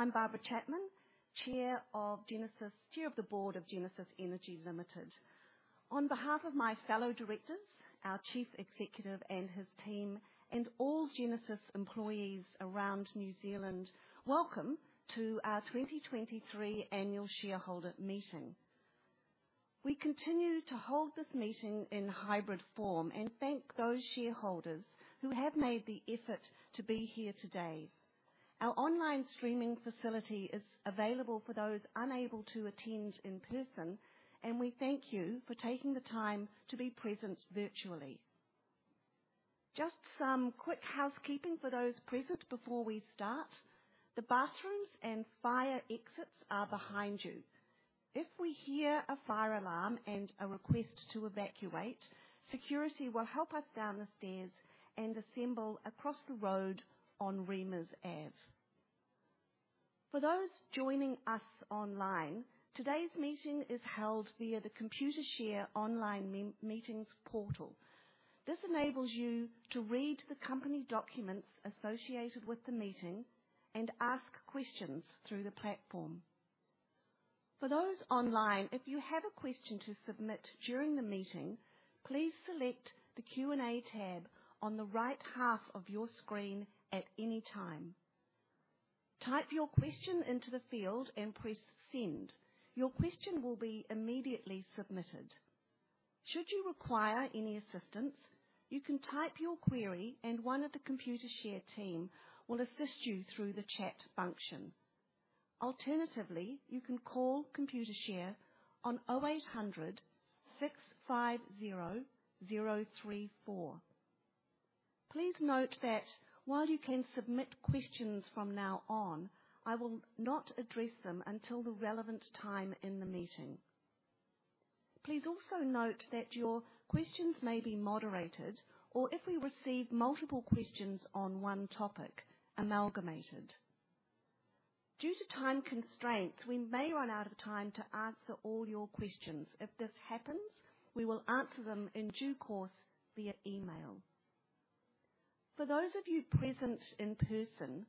I'm Barbara Chapman, Chair of the Board of Genesis Energy Limited. On behalf of my fellow directors, our Chief Executive and his team, and all Genesis employees around New Zealand, welcome to our 2023 Annual Shareholder Meeting. We continue to hold this meeting in hybrid form, and thank those shareholders who have made the effort to be here today. Our online streaming facility is available for those unable to attend in person, and we thank you for taking the time to be present virtually. Just some quick housekeeping for those present before we start. The bathrooms and fire exits are behind you. If we hear a fire alarm and a request to evacuate, security will help us down the stairs and assemble across the road on Remuera Ave. For those joining us online, today's meeting is held via the Computershare online meetings portal. This enables you to read the company documents associated with the meeting and ask questions through the platform. For those online, if you have a question to submit during the meeting, please select the Q&A tab on the right half of your screen at any time. Type your question into the field and press Send. Your question will be immediately submitted. Should you require any assistance, you can type your query and one of the Computershare team will assist you through the chat function. Alternatively, you can call Computershare on 0800 650 034. Please note that while you can submit questions from now on, I will not address them until the relevant time in the meeting. Please also note that your questions may be moderated, or if we receive multiple questions on one topic, amalgamated. Due to time constraints, we may run out of time to answer all your questions. If this happens, we will answer them in due course via email. For those of you present in person,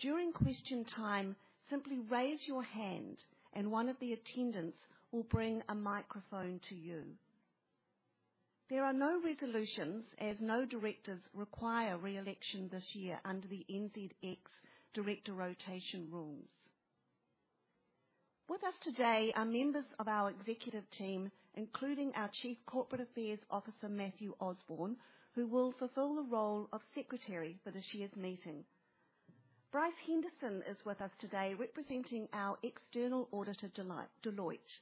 during question time, simply raise your hand and one of the attendants will bring a microphone to you. There are no resolutions as no directors require re-election this year under the NZX director rotation rules. With us today are members of our executive team, including our Chief Corporate Affairs Officer, Matthew Osborne, who will fulfill the role of secretary for this year's meeting. Bryce Henderson is with us today representing our external auditor, Deloitte.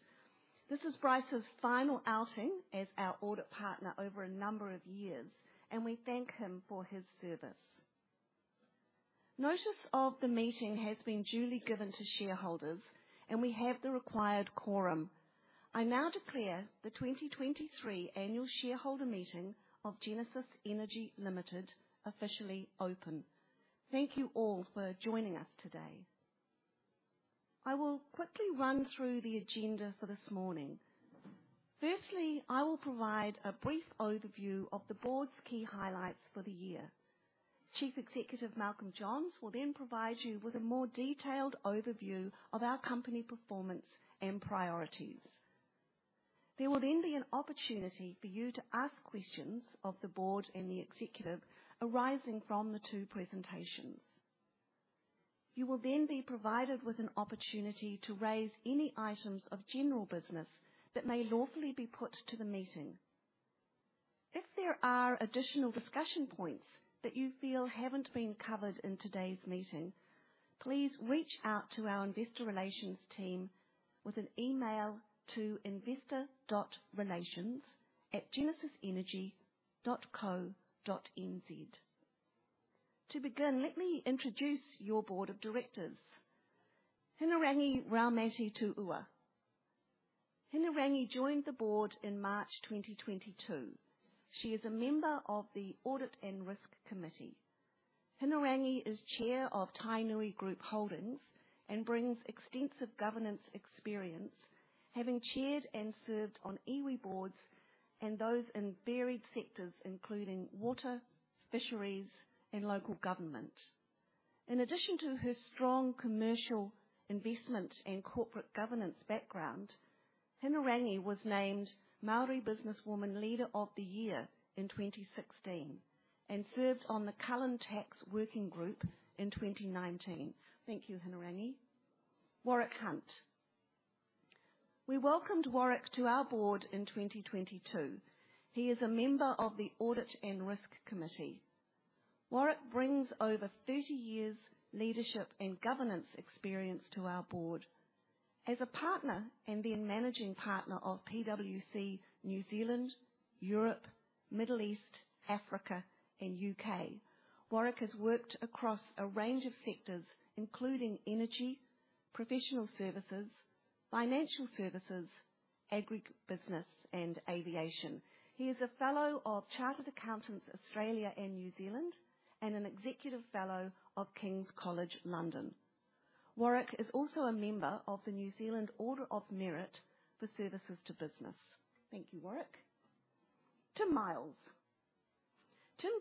This is Bryce's final outing as our audit partner over a number of years, and we thank him for his service. Notice of the meeting has been duly given to shareholders, and we have the required quorum. I now declare the 2023 Annual Shareholder Meeting of Genesis Energy Limited officially open. Thank you all for joining us today. I will quickly run through the agenda for this morning. Firstly, I will provide a brief overview of the board's key highlights for the year. Chief Executive Malcolm Johns will then provide you with a more detailed overview of our company performance and priorities. There will then be an opportunity for you to ask questions of the board and the executive arising from the two presentations. You will then be provided with an opportunity to raise any items of general business that may lawfully be put to the meeting. If there are additional discussion points that you feel haven't been covered in today's meeting, please reach out to our investor relations team with an email to investor.relations@genesisenergy.co.nz. To begin, let me introduce your board of directors. Hinerangi Raumati-Tu'ua. Hinerangi joined the board in March 2022. She is a member of the Audit and Risk Committee. Hinerangi is Chair of Tainui Group Holdings and brings extensive governance experience, having chaired and served on iwi boards and those in varied sectors, including water, fisheries, and local government. In addition to her strong commercial investment and corporate governance background, Hinerangi was named Māori Businesswoman Leader of the Year in 2016 and served on the Cullen Tax Working Group in 2019. Thank you, Hinerangi. Warwick Hunt. We welcomed Warwick to our board in 2022. He is a member of the Audit and Risk Committee. Warwick brings over 30 years leadership and governance experience to our board. As a partner and then managing partner of PwC, New Zealand, Europe, Middle East, Africa, and U.K., Warwick has worked across a range of sectors including energy, professional services, financial services, agribusiness, and aviation. He is a Fellow of Chartered Accountants, Australia and New Zealand, and an Executive Fellow of King's College London. Warwick is also a member of the New Zealand Order of Merit for services to business. Thank you, Warwick. Tim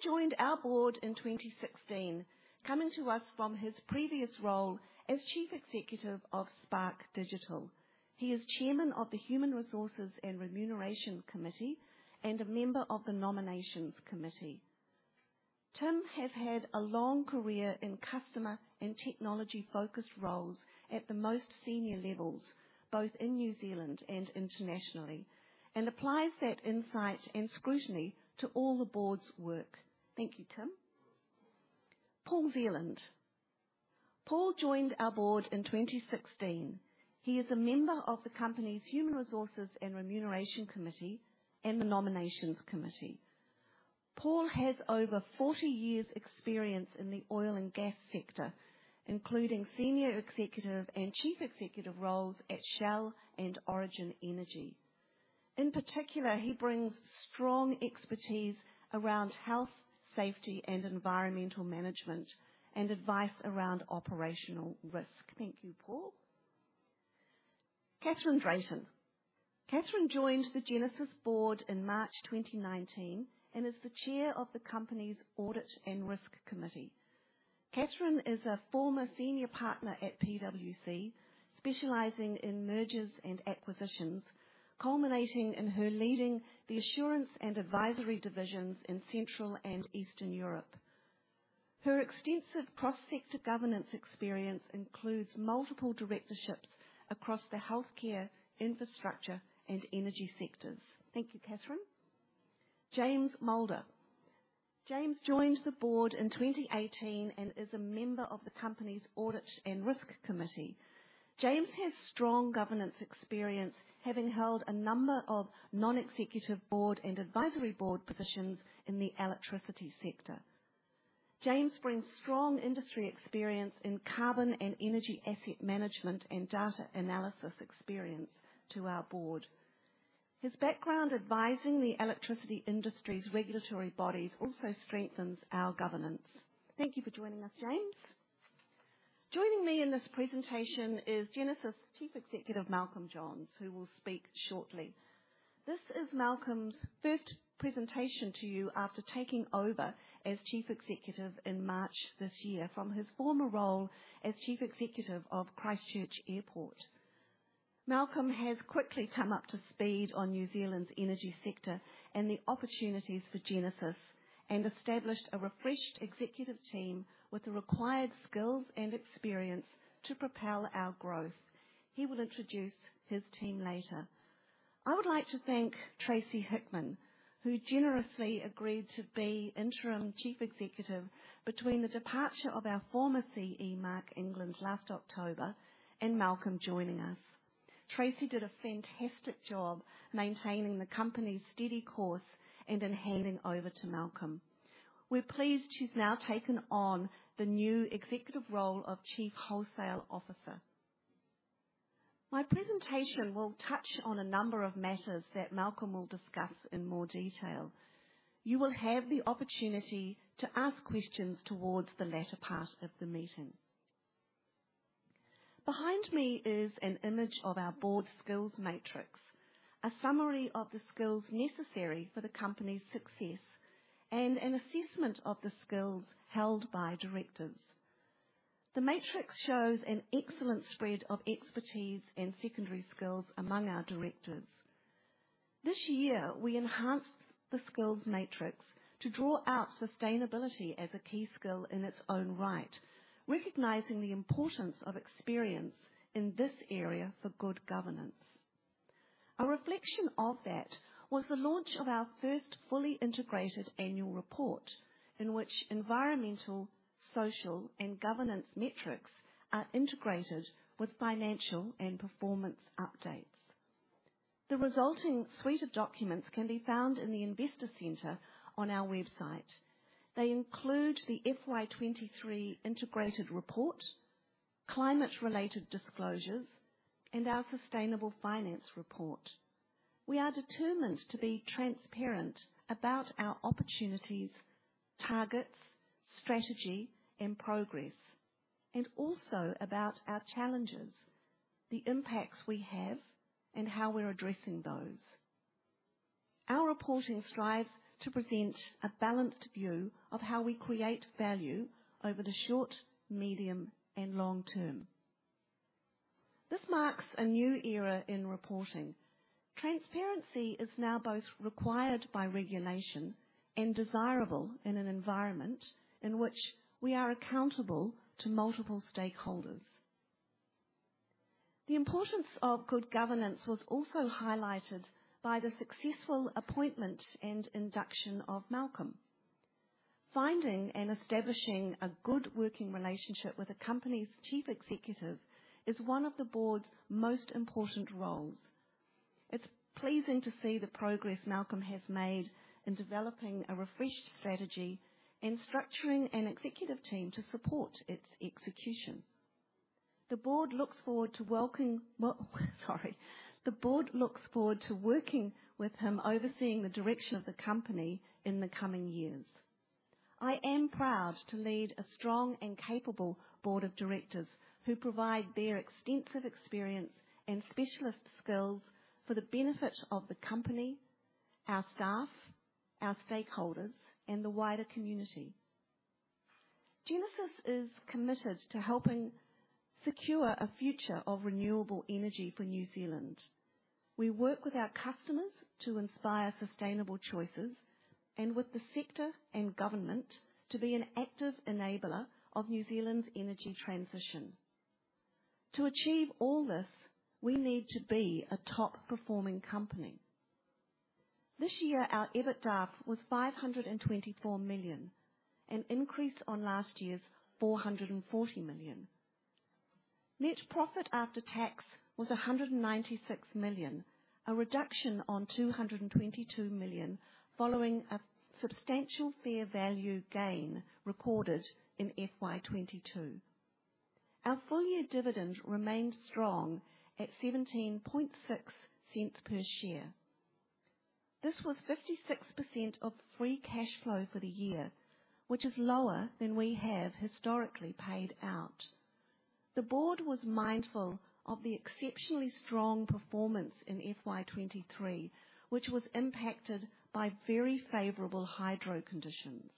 joined our board in 2016, coming to us from his previous role as Chief Executive of Spark Digital. He is Chairman of the Human Resources and Remuneration Committee and a member of the Nominations Committee. Tim has had a long career in customer and technology-focused roles at the most senior levels, both in New Zealand and internationally, and applies that insight and scrutiny to all the board's work. Thank you, Tim. Paul Zealand. Paul joined our board in 2016. He is a member of the company's Human Resources and Remuneration Committee and the Nominations Committee. Paul has over 40 years experience in the oil and gas sector, including senior executive and chief executive roles at Shell and Origin Energy. In particular, he brings strong expertise around health, safety, and environmental management and advice around operational risk. Thank you, Paul. Catherine Drayton. Catherine joined the Genesis board in March 2019 and is the Chair of the company's Audit and Risk Committee. Catherine is a former senior partner at PwC, specializing in mergers and acquisitions, culminating in her leading the assurance and advisory divisions in Central and Eastern Europe. Her extensive cross-sector governance experience includes multiple directorships across the healthcare, infrastructure, and energy sectors. Thank you, Catherine. James Moulder. James joined the board in 2018 and is a member of the company's Audit and Risk Committee. James has strong governance experience, having held a number of non-executive board and advisory board positions in the electricity sector. James brings strong industry experience in carbon and energy asset management and data analysis experience to our board. His background advising the electricity industry's regulatory bodies also strengthens our governance. Thank you for joining us, James. Joining me in this presentation is Genesis' Chief Executive, Malcolm Johns, who will speak shortly. This is Malcolm's first presentation to you after taking over as Chief Executive in March this year from his former role as Chief Executive of Christchurch Airport. Malcolm has quickly come up to speed on New Zealand's energy sector and the opportunities for Genesis, and established a refreshed executive team with the required skills and experience to propel our growth. He will introduce his team later. I would like to thank Tracey Hickman, who generously agreed to be interim Chief Executive between the departure of our former CE, Mark England, last October, and Malcolm joining us. Tracey did a fantastic job maintaining the company's steady course and in handing over to Malcolm. We're pleased she's now taken on the new executive role of Chief Wholesale Officer. My presentation will touch on a number of matters that Malcolm will discuss in more detail. You will have the opportunity to ask questions towards the latter part of the meeting. Behind me is an image of our board skills matrix, a summary of the skills necessary for the company's success, and an assessment of the skills held by directors. The matrix shows an excellent spread of expertise and secondary skills among our directors. This year, we enhanced the skills matrix to draw out sustainability as a key skill in its own right, recognizing the importance of experience in this area for good governance. A reflection of that was the launch of our first fully integrated annual report, in which environmental, social, and governance metrics are integrated with financial and performance updates. The resulting suite of documents can be found in the investor center on our website. They include the FY 2023 integrated report, climate-related disclosures, and our sustainable finance report. We are determined to be transparent about our opportunities, targets, strategy, and progress, and also about our challenges, the impacts we have, and how we're addressing those. Our reporting strives to present a balanced view of how we create value over the short, medium, and long term. This marks a new era in reporting. Transparency is now both required by regulation and desirable in an environment in which we are accountable to multiple stakeholders. The importance of good governance was also highlighted by the successful appointment and induction of Malcolm. Finding and establishing a good working relationship with a company's chief executive is one of the board's most important roles. It's pleasing to see the progress Malcolm has made in developing a refreshed strategy and structuring an executive team to support its execution. The board looks forward to working with him, overseeing the direction of the company in the coming years. I am proud to lead a strong and capable board of directors who provide their extensive experience and specialist skills for the benefit of the company, our staff, our stakeholders, and the wider community. Genesis is committed to helping secure a future of renewable energy for New Zealand. We work with our customers to inspire sustainable choices and with the sector and government to be an active enabler of New Zealand's energy transition. To achieve all this, we need to be a top-performing company. This year, our EBITDAF was 524 million, an increase on last year's 440 million. Net profit after tax was 196 million, a reduction on 222 million, following a substantial fair value gain recorded in FY 2022. Our full-year dividend remained strong at 17.6 per share. This was 56% of free cash flow for the year, which is lower than we have historically paid out. The board was mindful of the exceptionally strong performance in FY 2023, which was impacted by very favorable hydro conditions.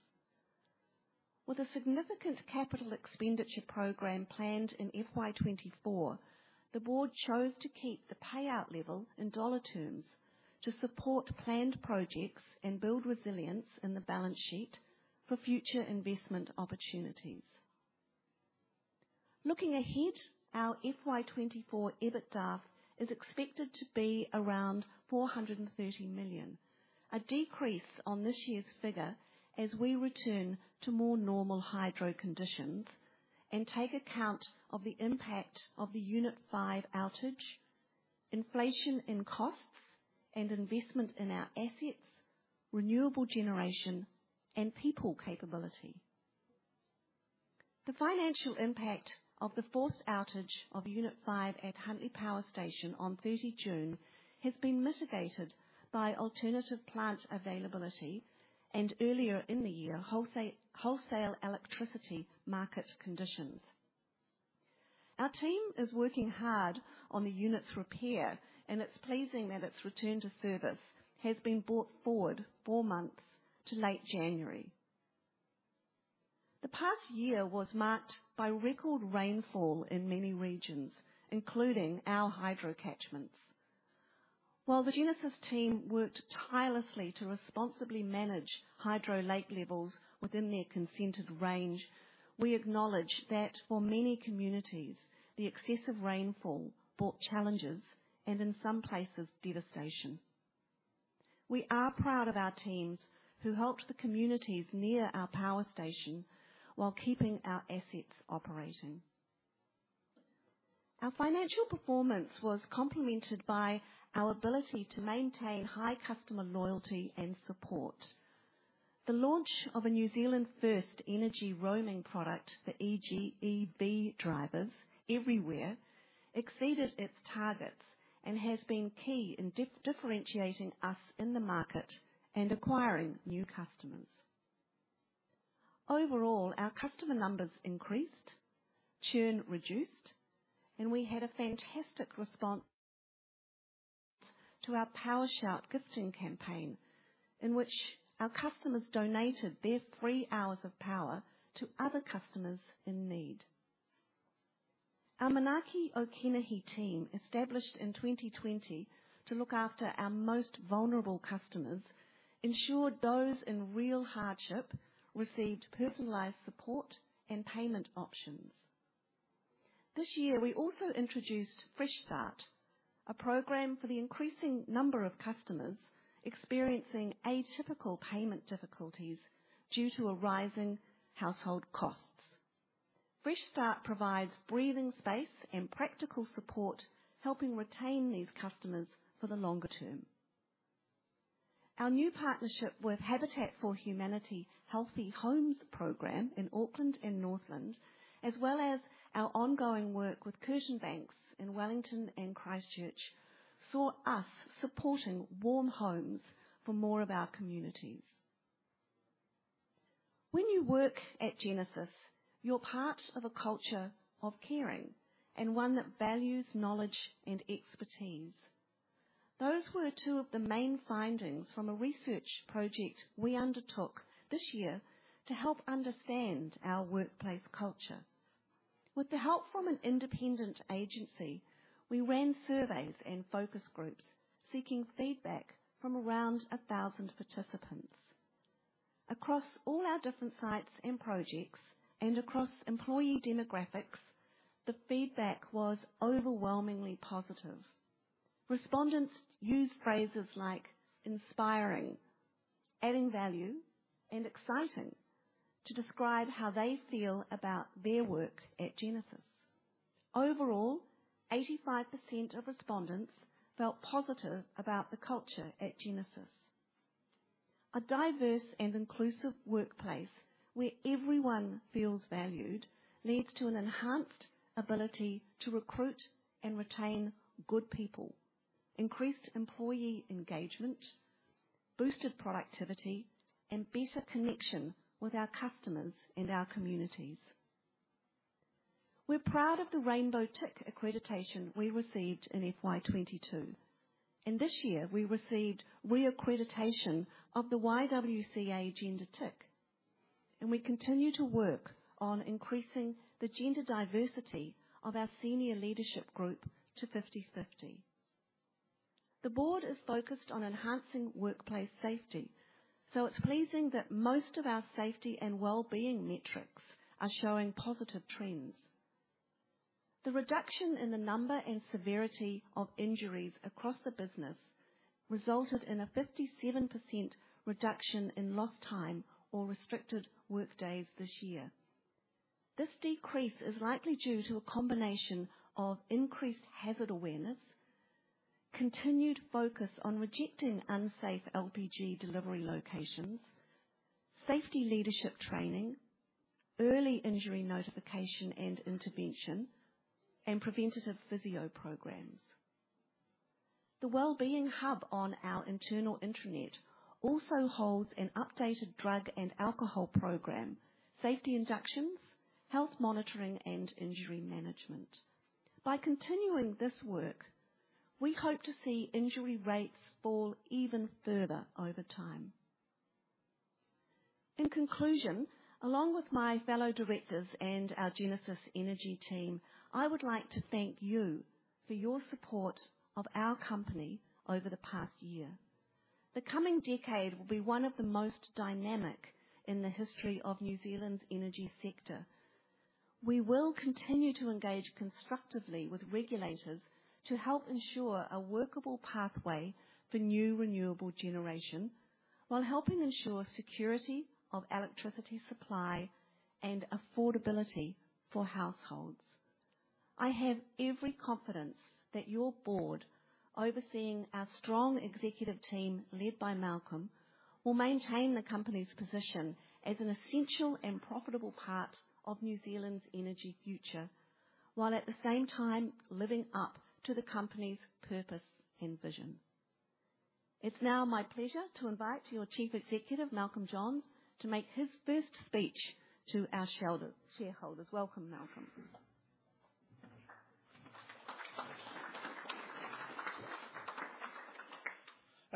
With a significant capital expenditure program planned in FY 2024, the board chose to keep the payout level in dollar terms to support planned projects and build resilience in the balance sheet for future investment opportunities. Looking ahead, our FY 2024 EBITDA is expected to be around 430 million, a decrease on this year's figure as we return to more normal hydro conditions and take account of the impact of the Unit 5 outage, inflation in costs and investment in our assets, renewable generation, and people capability. The financial impact of the forced outage of Unit 5 at Huntly Power Station on 30 June has been mitigated by alternative plant availability and earlier in the year, wholesale electricity market conditions. Our team is working hard on the unit's repair, and it's pleasing that its return to service has been brought forward four months to late January. The past year was marked by record rainfall in many regions, including our hydro catchments. While the Genesis team worked tirelessly to responsibly manage hydro lake levels within their consented range, we acknowledge that for many communities, the excessive rainfall brought challenges and in some places, devastation. We are proud of our teams who helped the communities near our power station while keeping our assets operating. Our financial performance was complemented by our ability to maintain high customer loyalty and support. The launch of a New Zealand-first energy roaming product for EV drivers, Everywhere, exceeded its targets and has been key in differentiating us in the market and acquiring new customers. Overall, our customer numbers increased, churn reduced, and we had a fantastic response to our Power Shout gifting campaign, in which our customers donated their free hours of power to other customers in need. Our Manaaki o Kenehi team, established in 2020 to look after our most vulnerable customers, ensured those in real hardship received personalized support and payment options. This year, we also introduced Fresh Start, a program for the increasing number of customers experiencing atypical payment difficulties due to a rise in household costs. Fresh Start provides breathing space and practical support, helping retain these customers for the longer term. Our new partnership with Habitat for Humanity Healthy Homes program in Auckland and Northland, as well as our ongoing work with curtain banks in Wellington and Christchurch, saw us supporting warm homes for more of our communities. When you work at Genesis, you're part of a culture of caring and one that values knowledge and expertise. Those were two of the main findings from a research project we undertook this year to help understand our workplace culture. With the help from an independent agency, we ran surveys and focus groups seeking feedback from around 1,000 participants. Across all our different sites and projects and across employee demographics, the feedback was overwhelmingly positive. Respondents used phrases like "inspiring," "adding value," and "exciting" to describe how they feel about their work at Genesis. Overall, 85% of respondents felt positive about the culture at Genesis. A diverse and inclusive workplace, where everyone feels valued, leads to an enhanced ability to recruit and retain good people.... increased employee engagement, boosted productivity, and better connection with our customers and our communities. We're proud of the Rainbow Tick accreditation we received in FY 2022, and this year we received re-accreditation of the YWCA GenderTick, and we continue to work on increasing the gender diversity of our senior leadership group to 50/50. The board is focused on enhancing workplace safety, so it's pleasing that most of our safety and well-being metrics are showing positive trends. The reduction in the number and severity of injuries across the business resulted in a 57% reduction in lost time or restricted workdays this year. This decrease is likely due to a combination of increased hazard awareness, continued focus on rejecting unsafe LPG delivery locations, safety leadership training, early injury notification and intervention, and preventative physio programs. The Wellbeing Hub on our internal intranet also holds an updated drug and alcohol program, safety inductions, health monitoring, and injury management. By continuing this work, we hope to see injury rates fall even further over time. In conclusion, along with my fellow directors and our Genesis Energy team, I would like to thank you for your support of our company over the past year. The coming decade will be one of the most dynamic in the history of New Zealand's energy sector. We will continue to engage constructively with regulators to help ensure a workable pathway for new renewable generation, while helping ensure security of electricity supply and affordability for households. I have every confidence that your board, overseeing our strong executive team, led by Malcolm, will maintain the company's position as an essential and profitable part of New Zealand's energy future, while at the same time living up to the company's purpose and vision. It's now my pleasure to invite your Chief Executive, Malcolm Johns, to make his first speech to our shareholders. Welcome, Malcolm.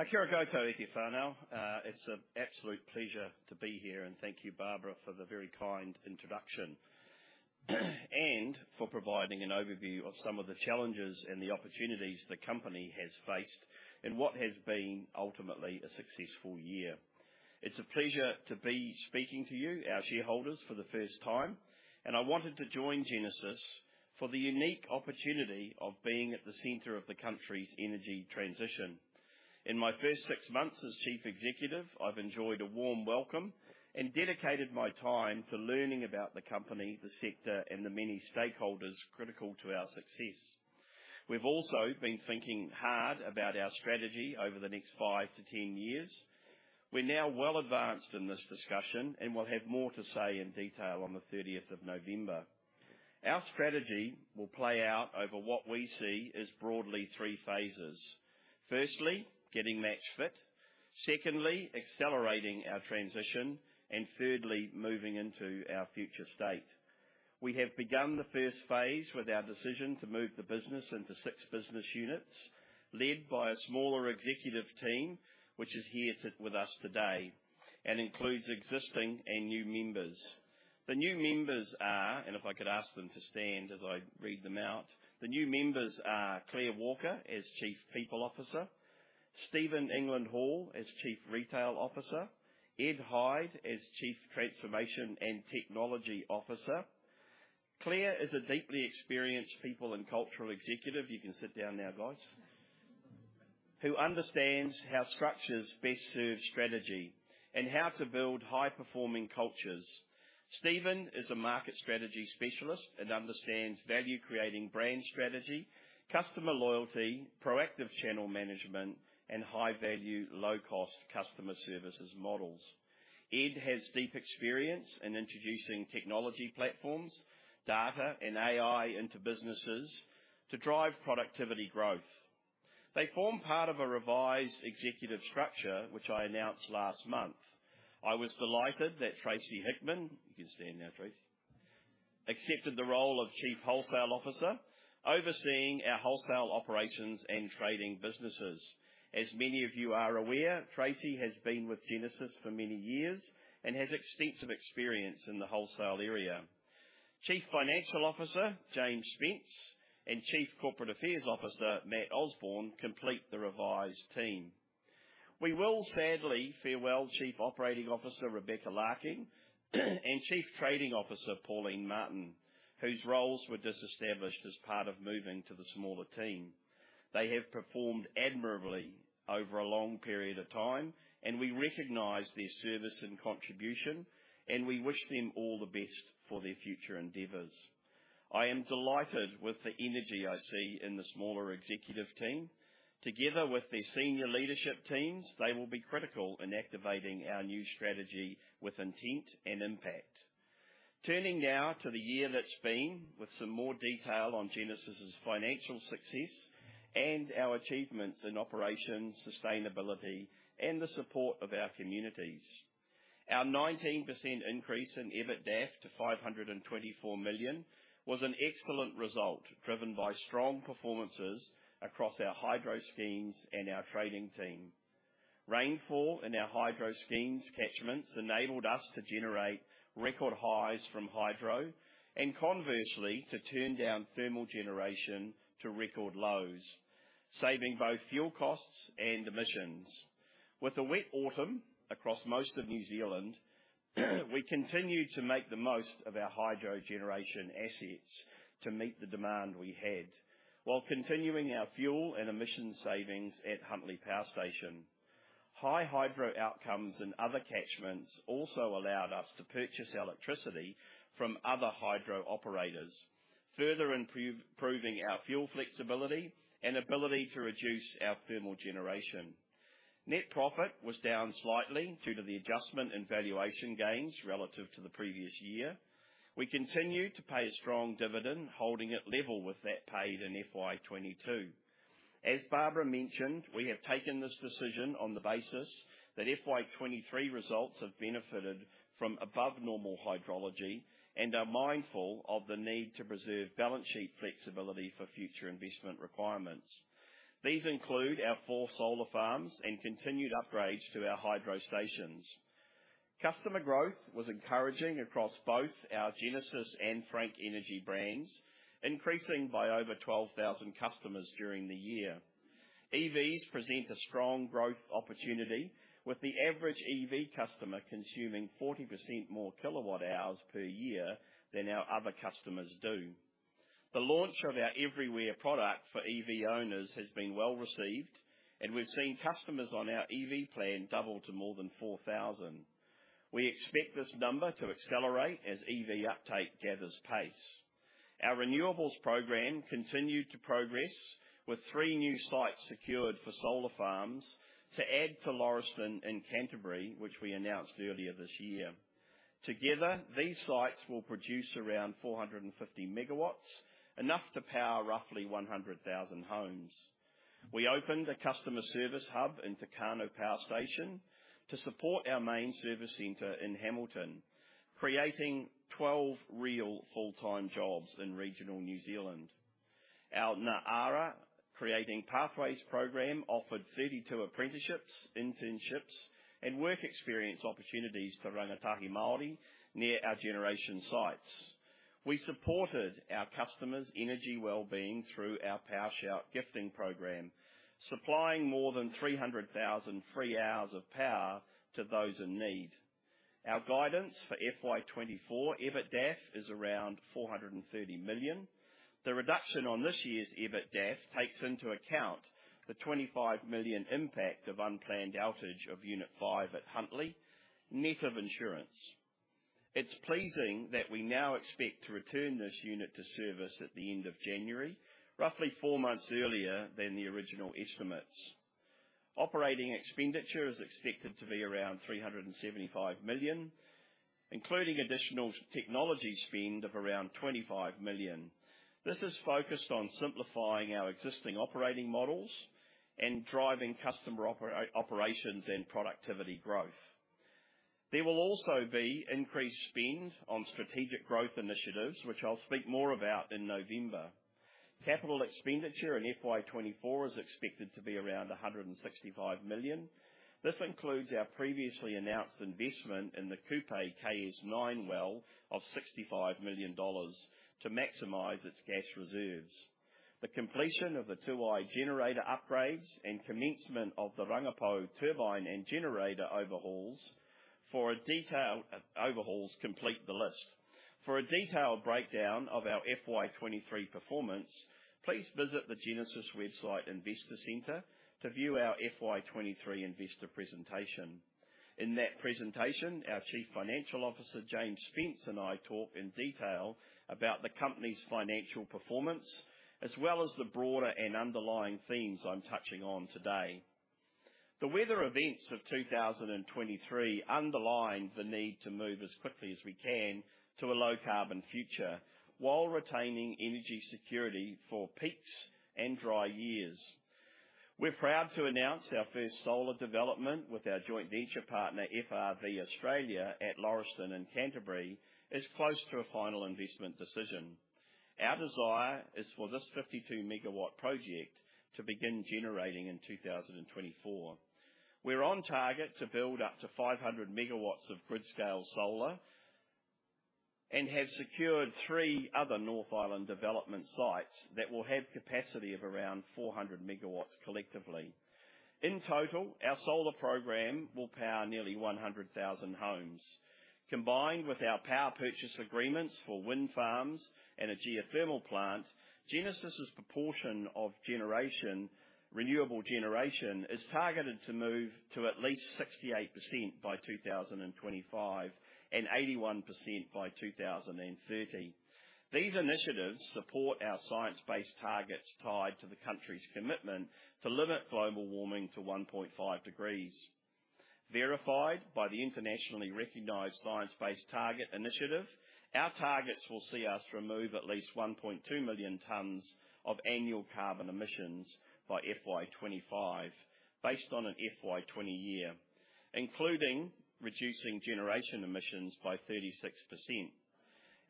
Kia ora koutou e te whanau. It's an absolute pleasure to be here, and thank you, Barbara, for the very kind introduction, and for providing an overview of some of the challenges and the opportunities the company has faced in what has been ultimately a successful year. It's a pleasure to be speaking to you, our shareholders, for the first time, and I wanted to join Genesis for the unique opportunity of being at the center of the country's energy transition. In my first six months as Chief Executive, I've enjoyed a warm welcome and dedicated my time to learning about the company, the sector, and the many stakeholders critical to our success. We've also been thinking hard about our strategy over the next five to 10 years. We're now well advanced in this discussion, and we'll have more to say in detail on the 30th of November. Our strategy will play out over what we see as broadly three phases. Firstly, getting match fit. Secondly, accelerating our transition. And thirdly, moving into our future state. We have begun the first phase with our decision to move the business into six business units, led by a smaller executive team, which is here to—with us today and includes existing and new members. The new members are... If I could ask them to stand as I read them out. The new members are Claire Walker, as Chief People Officer, Steven England-Hall, as Chief Retail Officer, Ed Hyde, as Chief Transformation and Technology Officer. Claire is a deeply experienced people and cultural executive. You can sit down now, guys, who understands how structures best serve strategy and how to build high-performing cultures. Steven is a market strategy specialist and understands value-creating brand strategy, customer loyalty, proactive channel management, and high-value, low-cost customer services models. Ed has deep experience in introducing technology platforms, data, and AI into businesses to drive productivity growth. They form part of a revised executive structure, which I announced last month. I was delighted that Tracey Hickman, you can stand now, Tracey, accepted the role of Chief Wholesale Officer, overseeing our wholesale operations and trading businesses. As many of you are aware, Tracey has been with Genesis for many years and has extensive experience in the wholesale area. Chief Financial Officer, James Spence, and Chief Corporate Affairs Officer, Matt Osborne, complete the revised team. We will sadly farewell Chief Operating Officer, Rebecca Larkin, and Chief Trading Officer, Pauline Martin, whose roles were disestablished as part of moving to the smaller team. They have performed admirably over a long period of time, and we recognize their service and contribution, and we wish them all the best for their future endeavors. I am delighted with the energy I see in the smaller executive team. Together with their senior leadership teams, they will be critical in activating our new strategy with intent and impact.... Turning now to the year that's been, with some more detail on Genesis's financial success and our achievements in operations, sustainability, and the support of our communities. Our 19% increase in EBITDAF to 524 million was an excellent result, driven by strong performances across our hydro schemes and our trading team. Rainfall in our hydro schemes' catchments enabled us to generate record highs from hydro, and conversely, to turn down thermal generation to record lows, saving both fuel costs and emissions. With a wet autumn across most of New Zealand, we continued to make the most of our hydro generation assets to meet the demand we had, while continuing our fuel and emission savings at Huntly Power Station. High hydro outcomes in other catchments also allowed us to purchase electricity from other hydro operators, further improving our fuel flexibility and ability to reduce our thermal generation. Net profit was down slightly due to the adjustment in valuation gains relative to the previous year. We continued to pay a strong dividend, holding it level with that paid in FY 2022. As Barbara mentioned, we have taken this decision on the basis that FY 2023 results have benefited from above normal hydrology and are mindful of the need to preserve balance sheet flexibility for future investment requirements. These include our four solar farms and continued upgrades to our hydro stations. Customer growth was encouraging across both our Genesis and Frank Energy brands, increasing by over 12,000 customers during the year. EVs present a strong growth opportunity, with the average EV customer consuming 40% more kWh per year than our other customers do. The launch of our Everywhere product for EV owners has been well received, and we've seen customers on our EV plan double to more than 4,000. We expect this number to accelerate as EV uptake gathers pace. Our renewables program continued to progress, with three new sites secured for solar farms to add to Lauriston and Canterbury, which we announced earlier this year. Together, these sites will produce around 450 MW, enough to power roughly 100,000 homes. We opened a customer service hub in Tokaanu Power Station to support our main service center in Hamilton, creating 12 real full-time jobs in regional New Zealand. Our Ngā Ara Creating Pathways program offered 32 apprenticeships, internships, and work experience opportunities to rangatahi Māori near our generation sites. We supported our customers' energy well-being through our Power Shout gifting program, supplying more than 300,000 free hours of power to those in need. Our guidance for FY 2024 EBITDAF is around 430 million. The reduction on this year's EBITDAF takes into account the 25 million impact of unplanned outage Unit 5 at Huntly, net of insurance. It's pleasing that we now expect to return this unit to service at the end of January, roughly four months earlier than the original estimates. Operating expenditure is expected to be around 375 million, including additional technology spend of around 25 million. This is focused on simplifying our existing operating models and driving customer operations and productivity growth. There will also be increased spend on strategic growth initiatives, which I'll speak more about in November. Capital expenditure in FY 2024 is expected to be around 165 million. This includes our previously announced investment in the Kupe KS9 well of 65 million dollars to maximize its gas reserves. The completion of the Tūai generator upgrades and commencement of the Rangipo turbine and generator overhauls complete the list. For a detailed breakdown of our FY 2023 performance, please visit the Genesis website investor center to view our FY 2023 investor presentation. In that presentation, our Chief Financial Officer, James Spence, and I talk in detail about the company's financial performance, as well as the broader and underlying themes I'm touching on today. The weather events of 2023 underlined the need to move as quickly as we can to a low carbon future, while retaining energy security for peaks and dry years. We're proud to announce our first solar development with our joint venture partner, FRV Australia, at Lauriston in Canterbury, is close to a final investment decision. Our desire is for this 52 MW project to begin generating in 2024. We're on target to build up to 500 MW of grid-scale solar and have secured three other North Island development sites that will have capacity of around 400 MW collectively. In total, our solar program will power nearly 100,000 homes. Combined with our power purchase agreements for wind farms and a geothermal plant, Genesis's proportion of renewable generation is targeted to move to at least 68% by 2025, and 81% by 2030. These initiatives support our science-based targets tied to the country's commitment to limit global warming to 1.5 degrees. Verified by the internationally recognized Science Based Targets initiative, our targets will see us remove at least 1.2 million tons of annual carbon emissions by FY 2025, based on an FY 2020 year, including reducing generation emissions by 36%.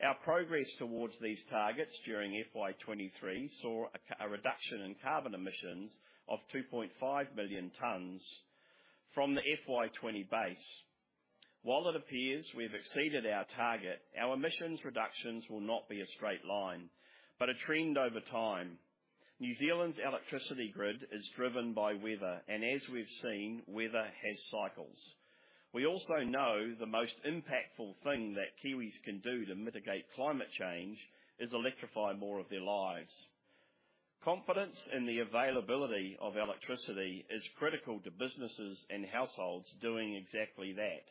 Our progress towards these targets during FY 2023 saw a reduction in carbon emissions of 2.5 million tons from the FY 2020 base. While it appears we've exceeded our target, our emissions reductions will not be a straight line, but a trend over time. New Zealand's electricity grid is driven by weather, and as we've seen, weather has cycles. We also know the most impactful thing that Kiwis can do to mitigate climate change is electrify more of their lives. Confidence in the availability of electricity is critical to businesses and households doing exactly that.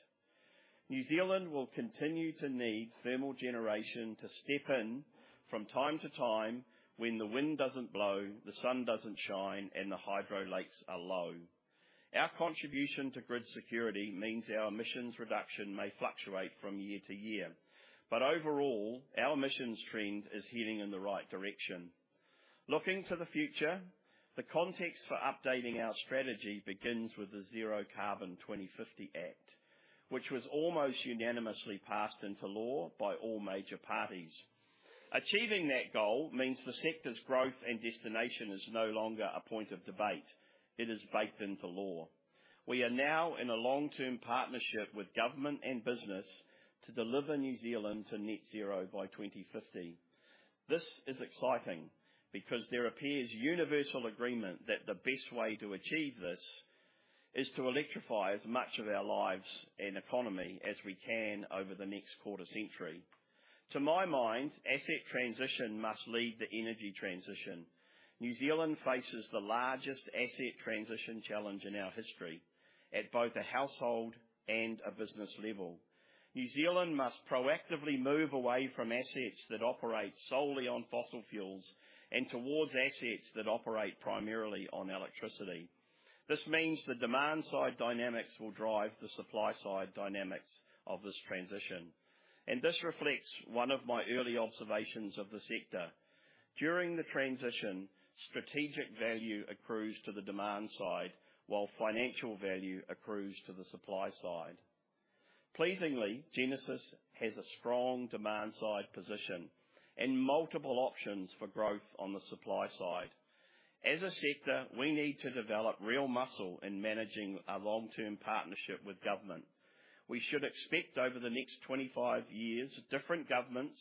New Zealand will continue to need thermal generation to step in from time to time when the wind doesn't blow, the sun doesn't shine, and the hydro lakes are low. Our contribution to grid security means our emissions reduction may fluctuate from year to year, but overall, our emissions trend is heading in the right direction. Looking to the future, the context for updating our strategy begins with the Zero Carbon 2050 Act, which was almost unanimously passed into law by all major parties. Achieving that goal means the sector's growth and destination is no longer a point of debate. It is baked into law. We are now in a long-term partnership with government and business to deliver New Zealand to net zero by 2050. This is exciting because there appears universal agreement that the best way to achieve this is to electrify as much of our lives and economy as we can over the next quarter century. To my mind, asset transition must lead the energy transition. New Zealand faces the largest asset transition challenge in our history, at both a household and a business level. New Zealand must proactively move away from assets that operate solely on fossil fuels and towards assets that operate primarily on electricity. This means the demand-side dynamics will drive the supply-side dynamics of this transition, and this reflects one of my early observations of the sector. During the transition, strategic value accrues to the demand side, while financial value accrues to the supply side. Pleasingly, Genesis has a strong demand side position and multiple options for growth on the supply side. As a sector, we need to develop real muscle in managing a long-term partnership with government. We should expect over the next 25 years, different governments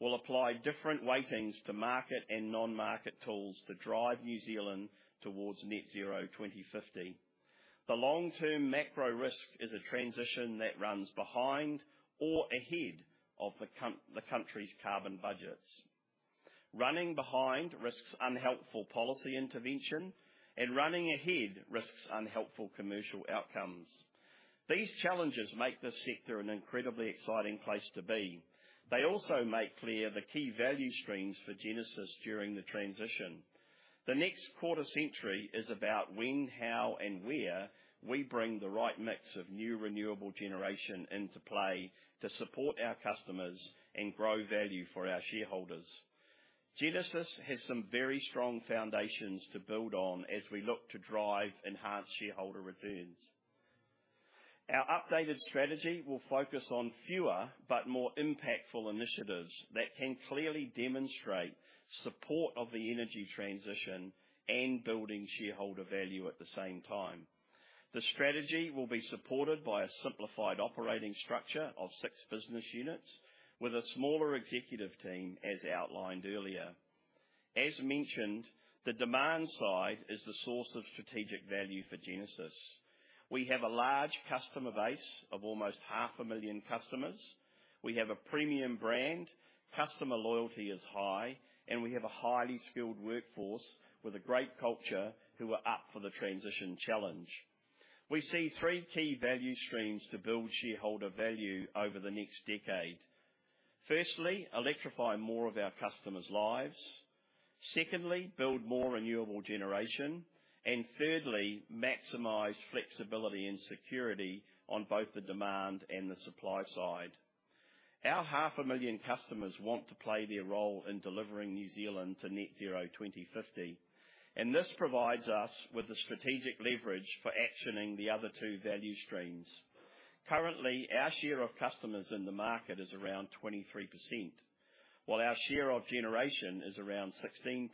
will apply different weightings to market and non-market tools to drive New Zealand towards Net Zero 2050. The long-term macro risk is a transition that runs behind or ahead of the country's carbon budgets. Running behind risks unhelpful policy intervention, and running ahead risks unhelpful commercial outcomes. These challenges make this sector an incredibly exciting place to be. They also make clear the key value streams for Genesis during the transition. The next quarter century is about when, how, and where we bring the right mix of new renewable generation into play to support our customers and grow value for our shareholders. Genesis has some very strong foundations to build on as we look to drive enhanced shareholder returns. Our updated strategy will focus on fewer but more impactful initiatives that can clearly demonstrate support of the energy transition and building shareholder value at the same time. The strategy will be supported by a simplified operating structure of six business units with a smaller executive team, as outlined earlier. As mentioned, the demand side is the source of strategic value for Genesis. We have a large customer base of almost 500,000 customers. We have a premium brand, customer loyalty is high, and we have a highly skilled workforce with a great culture who are up for the transition challenge. We see three key value streams to build shareholder value over the next decade. Firstly, electrify more of our customers' lives. Secondly, build more renewable generation. And thirdly, maximize flexibility and security on both the demand and the supply side. Our 500,000 customers want to play their role in delivering New Zealand to Net Zero 2050, and this provides us with the strategic leverage for actioning the other two value streams. Currently, our share of customers in the market is around 23%, while our share of generation is around 16%.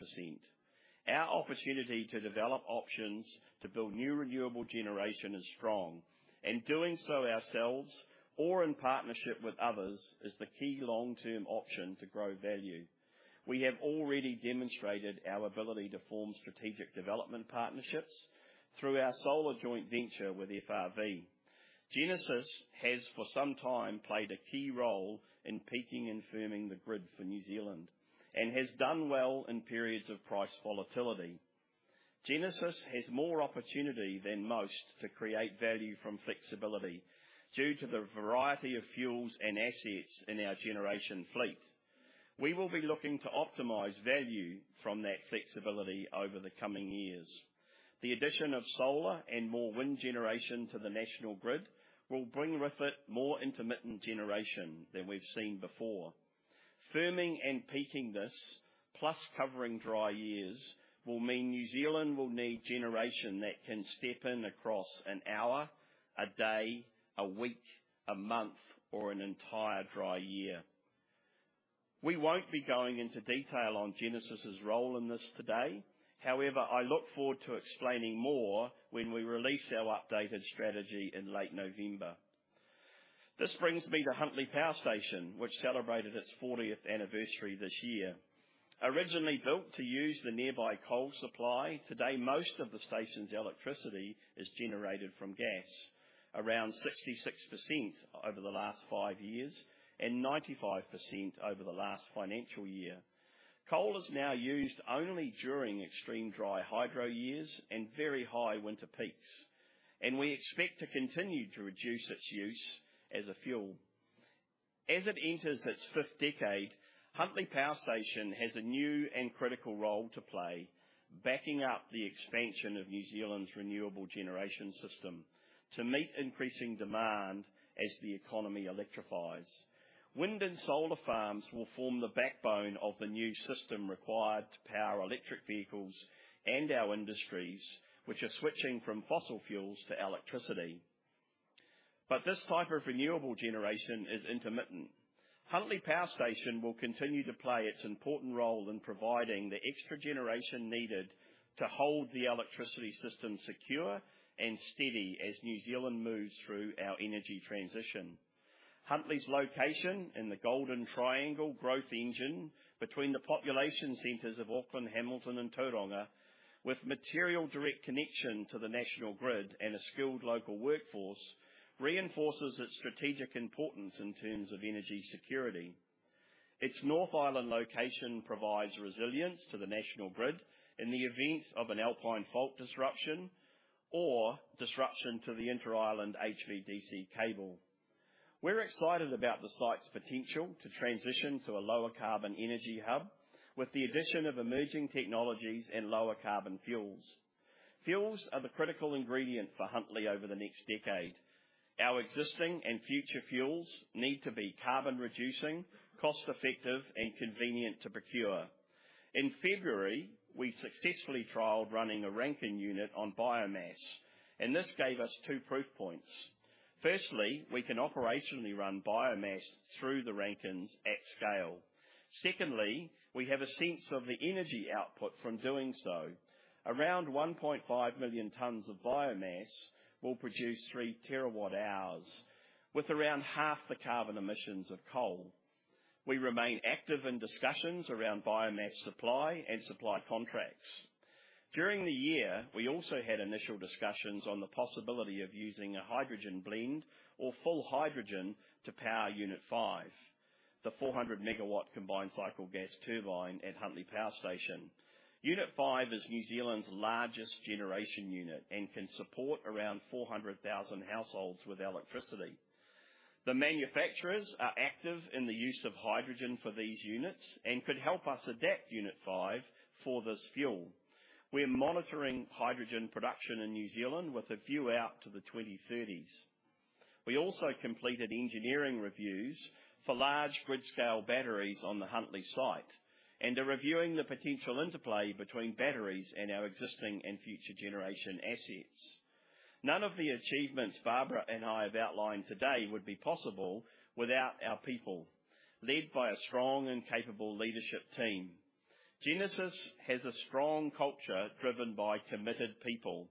Our opportunity to develop options to build new renewable generation is strong, and doing so ourselves or in partnership with others, is the key long-term option to grow value. We have already demonstrated our ability to form strategic development partnerships through our solar joint venture with FRV. Genesis has, for some time, played a key role in peaking and firming the grid for New Zealand and has done well in periods of price volatility. Genesis has more opportunity than most to create value from flexibility due to the variety of fuels and assets in our generation fleet.... We will be looking to optimize value from that flexibility over the coming years. The addition of solar and more wind generation to the national grid will bring with it more intermittent generation than we've seen before. Firming and peaking this, plus covering dry years, will mean New Zealand will need generation that can step in across an hour, a day, a week, a month, or an entire dry year. We won't be going into detail on Genesis's role in this today. However, I look forward to explaining more when we release our updated strategy in late November. This brings me to Huntly Power Station, which celebrated its 40th anniversary this year. Originally built to use the nearby coal supply, today, most of the station's electricity is generated from gas, around 66% over the last five years and 95% over the last financial year. Coal is now used only during extreme dry hydro years and very high winter peaks, and we expect to continue to reduce its use as a fuel. As it enters its fifth decade, Huntly Power Station has a new and critical role to play, backing up the expansion of New Zealand's renewable generation system to meet increasing demand as the economy electrifies. Wind and solar farms will form the backbone of the new system required to power electric vehicles and our industries, which are switching from fossil fuels to electricity. This type of renewable generation is intermittent. Huntly Power Station will continue to play its important role in providing the extra generation needed to hold the electricity system secure and steady as New Zealand moves through our energy transition. Huntly's location in the Golden Triangle growth engine between the population centers of Auckland, Hamilton and Tauranga, with material direct connection to the national grid and a skilled local workforce, reinforces its strategic importance in terms of energy security. Its North Island location provides resilience to the national grid in the event of an Alpine fault disruption or disruption to the Interisland HVDC cable. We're excited about the site's potential to transition to a lower carbon energy hub, with the addition of emerging technologies and lower carbon fuels. Fuels are the critical ingredient for Huntly over the next decade. Our existing and future fuels need to be carbon reducing, cost-effective, and convenient to procure. In February, we successfully trialed running a Rankine unit on biomass, and this gave us two proof points. Firstly, we can operationally run biomass through the Rankings at scale. Secondly, we have a sense of the energy output from doing so. Around 1.5 million tons of biomass will produce 3 TWh, with around half the carbon emissions of coal. We remain active in discussions around biomass supply and supply contracts. During the year, we also had initial discussions on the possibility of using a hydrogen blend or full hydrogen to Unit 5, the 400 MW combined cycle gas turbine at Huntly Power Unit 5 is New Zealand's largest generation unit and can support around 400,000 households with electricity. The manufacturers are active in the use of hydrogen for these units and could help us Unit 5 for this fuel. We're monitoring hydrogen production in New Zealand with a view out to the 2030s. We also completed engineering reviews for large grid-scale batteries on the Huntly site and are reviewing the potential interplay between batteries and our existing and future generation assets. None of the achievements Barbara and I have outlined today would be possible without our people, led by a strong and capable leadership team. Genesis has a strong culture driven by committed people.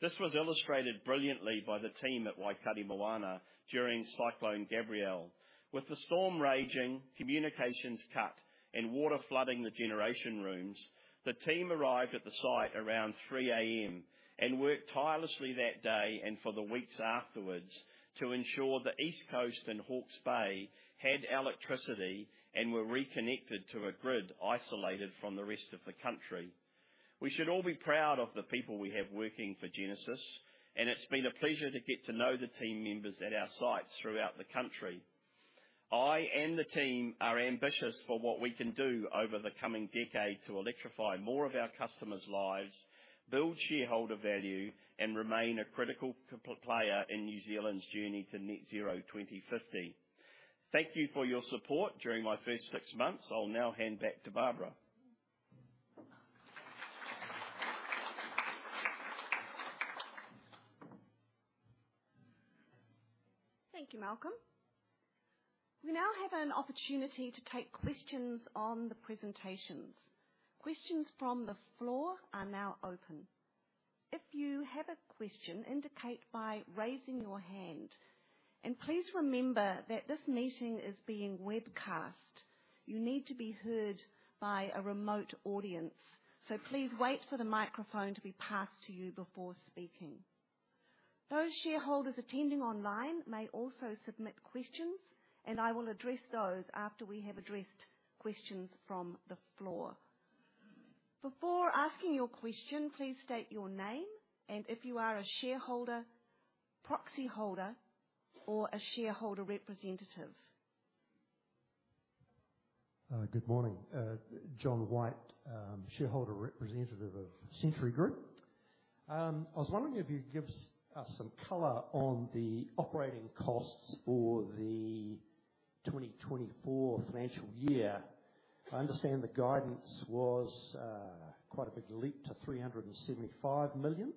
This was illustrated brilliantly by the team at Waikaremoana during Cyclone Gabrielle. With the storm raging, communications cut, and water flooding the generation rooms, the team arrived at the site around 3:00 A.M. and worked tirelessly that day and for the weeks afterwards to ensure the East Coast and Hawke's Bay had electricity and were reconnected to a grid isolated from the rest of the country. We should all be proud of the people we have working for Genesis, and it's been a pleasure to get to know the team members at our sites throughout the country. I and the team are ambitious for what we can do over the coming decade to electrify more of our customers' lives, build shareholder value, and remain a critical comp- player in New Zealand's journey to Net Zero 2050. Thank you for your support during my first six months. I'll now hand back to Barbara. Thank you, Malcolm. We now have an opportunity to take questions on the presentations. Questions from the floor are now open. If you have a question, indicate by raising your hand. Please remember that this meeting is being webcast. You need to be heard by a remote audience, so please wait for the microphone to be passed to you before speaking. Those shareholders attending online may also submit questions, and I will address those after we have addressed questions from the floor. Before asking your question, please state your name and if you are a shareholder, proxy holder, or a shareholder representative. Good morning. John White, shareholder representative of Century Group. I was wondering if you could give us, us some color on the operating costs for the 2024 financial year. I understand the guidance was quite a big leap to 375 million,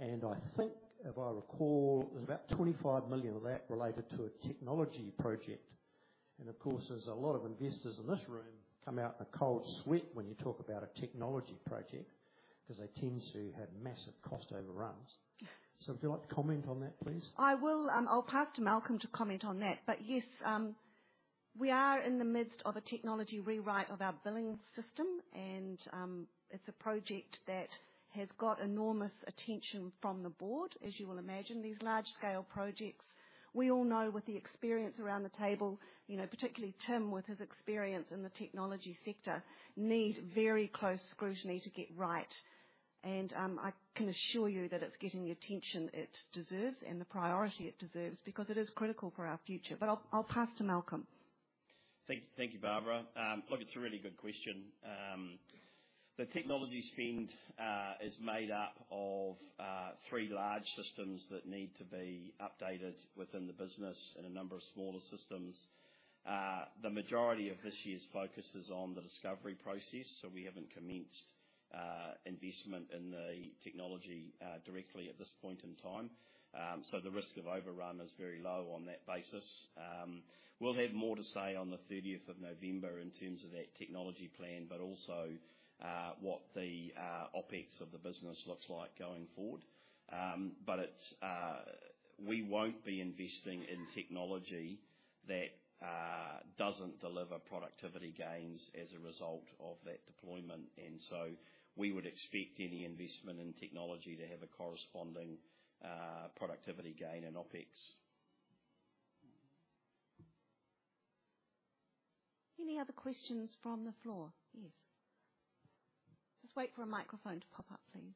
and I think, if I recall, there's about 25 million of that related to a technology project. And of course, there's a lot of investors in this room come out in a cold sweat when you talk about a technology project, 'cause they tend to have massive cost overruns. So would you like to comment on that, please? I will, I'll pass to Malcolm to comment on that. But yes, we are in the midst of a technology rewrite of our billing system, and, it's a project that has got enormous attention from the board. As you will imagine, these large-scale projects, we all know with the experience around the table, you know, particularly Tim, with his experience in the technology sector, need very close scrutiny to get right. And, I can assure you that it's getting the attention it deserves and the priority it deserves, because it is critical for our future. But I'll, I'll pass to Malcolm. Thank you, Barbara. Look, it's a really good question. The technology spend is made up of three large systems that need to be updated within the business and a number of smaller systems. The majority of this year's focus is on the discovery process, so we haven't commenced investment in the technology directly at this point in time. The risk of overrun is very low on that basis. We'll have more to say on the 30th of November in terms of that technology plan, but also what the OpEx of the business looks like going forward. We won't be investing in technology that doesn't deliver productivity gains as a result of that deployment, and we would expect any investment in technology to have a corresponding productivity gain in OpEx. Any other questions from the floor? Yes. Just wait for a microphone to pop up, please.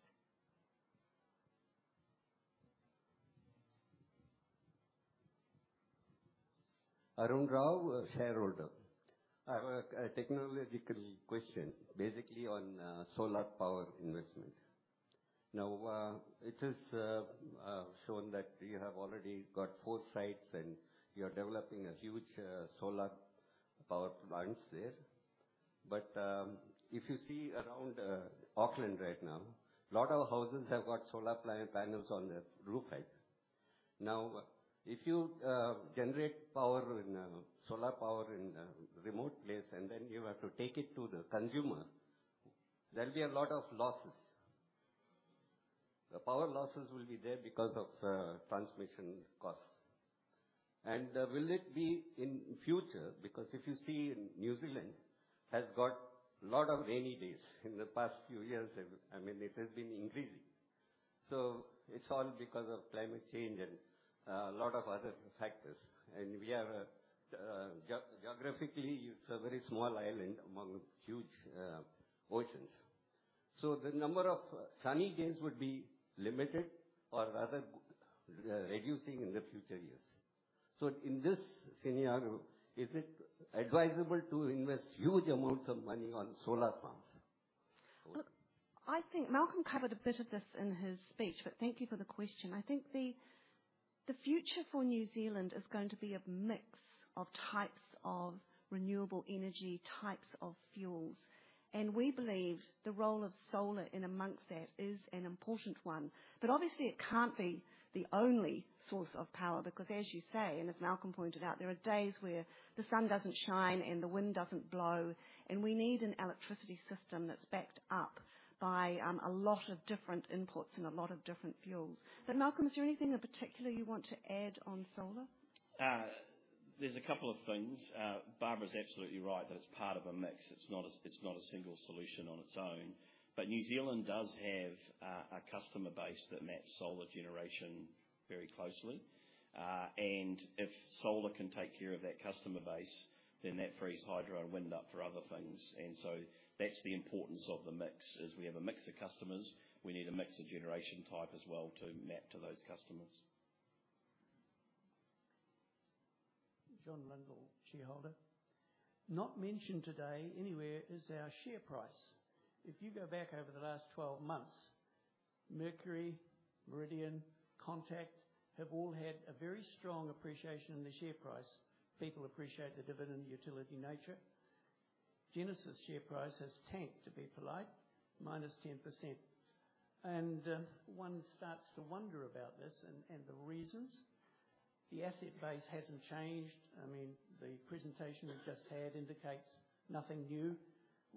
Arun Rao, a shareholder. I have a technological question, basically on solar power investment. Now, it is shown that you have already got four sites, and you are developing a huge solar power plants there. But, if you see around Auckland right now, a lot of houses have got solar ply- panels on the rooftop. Now, if you generate power in a solar power in a remote place, and then you have to take it to the consumer, there'll be a lot of losses. The power losses will be there because of transmission costs. And, will it be in future? Because if you see, New Zealand has got a lot of rainy days. In the past few years, I mean, it has been increasing. So it's all because of climate change and a lot of other factors. We are geographically. It's a very small island among huge oceans. So the number of sunny days would be limited or rather reducing in the future years. So in this scenario, is it advisable to invest huge amounts of money on solar farms? Look, I think Malcolm covered a bit of this in his speech, but thank you for the question. I think the future for New Zealand is going to be a mix of types of renewable energy, types of fuels, and we believe the role of solar in amongst that is an important one. But obviously, it can't be the only source of power, because as you say, and as Malcolm pointed out, there are days where the sun doesn't shine and the wind doesn't blow, and we need an electricity system that's backed up by a lot of different inputs and a lot of different fuels. But Malcolm, is there anything in particular you want to add on solar? There's a couple of things. Barbara's absolutely right, that it's part of a mix. It's not a, it's not a single solution on its own. But New Zealand does have a customer base that maps solar generation very closely. And if solar can take care of that customer base, then that frees hydro and wind up for other things. And so that's the importance of the mix, is we have a mix of customers. We need a mix of generation type as well to map to those customers. John Lindell, shareholder. Not mentioned today anywhere is our share price. If you go back over the last 12 months, Mercury, Meridian, Contact have all had a very strong appreciation in the share price. People appreciate the dividend and utility nature. Genesis share price has tanked, to be polite, -10%. One starts to wonder about this and the reasons. The asset base hasn't changed. I mean, the presentation we've just had indicates nothing new.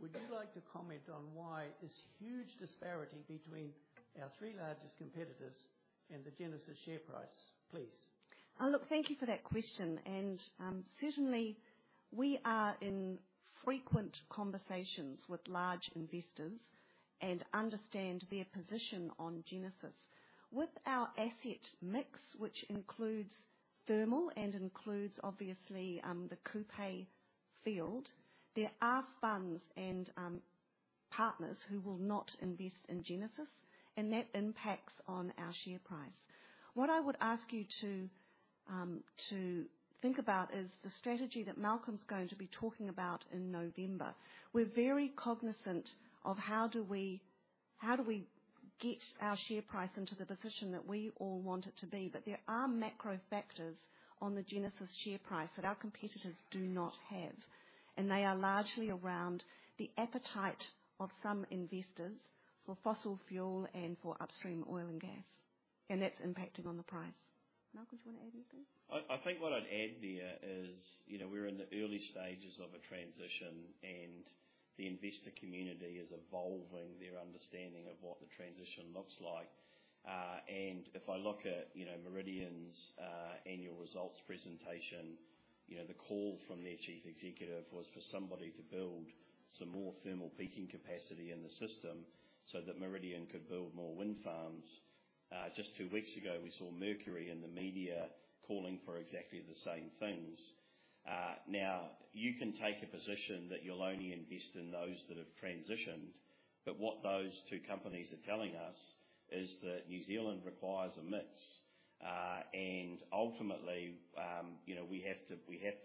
Would you like to comment on why this huge disparity between our three largest competitors and the Genesis share price, please? Look, thank you for that question, and certainly, we are in frequent conversations with large investors and understand their position on Genesis. With our asset mix, which includes thermal and includes, obviously, the Kupe Field, there are funds and partners who will not invest in Genesis, and that impacts on our share price. What I would ask you to to think about is the strategy that Malcolm's going to be talking about in November. We're very cognizant of how do we, how do we get our share price into the position that we all want it to be? But there are macro factors on the Genesis share price that our competitors do not have, and they are largely around the appetite of some investors for fossil fuel and for upstream oil and gas, and that's impacting on the price. Malcolm, do you want to add anything? I think what I'd add there is, you know, we're in the early stages of a transition, and the investor community is evolving their understanding of what the transition looks like. And if I look at, you know, Meridian's annual results presentation, you know, the call from their chief executive was for somebody to build some more thermal peaking capacity in the system so that Meridian could build more wind farms. Just two weeks ago, we saw Mercury in the media calling for exactly the same things. Now, you can take a position that you'll only invest in those that have transitioned, but what those two companies are telling us is that New Zealand requires a mix. And ultimately, you know, we have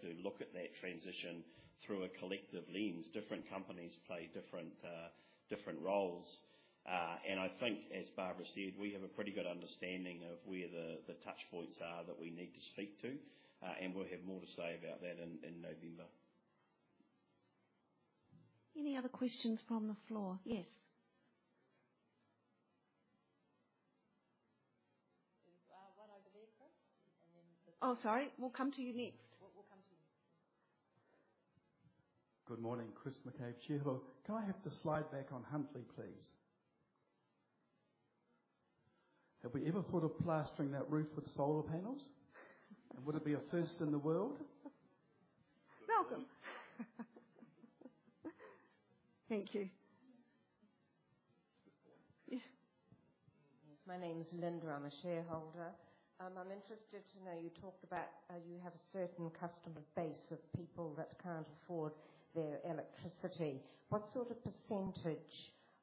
to look at that transition through a collective lens. Different companies play different roles. And I think, as Barbara said, we have a pretty good understanding of where the touch points are that we need to speak to, and we'll have more to say about that in November. Any other questions from the floor? Yes. There's one over there, Chris, and then- Oh, sorry. We'll come to you next. We'll come to you. Good morning, Chris McCabe, shareholder. Can I have the slide back on Huntly, please? Have we ever thought of plastering that roof with solar panels? Would it be a first in the world? Malcolm? Thank you. Yeah. My name is Linda. I'm a shareholder. I'm interested to know, you talked about, you have a certain customer base of people that can't afford their electricity. What sort of percentage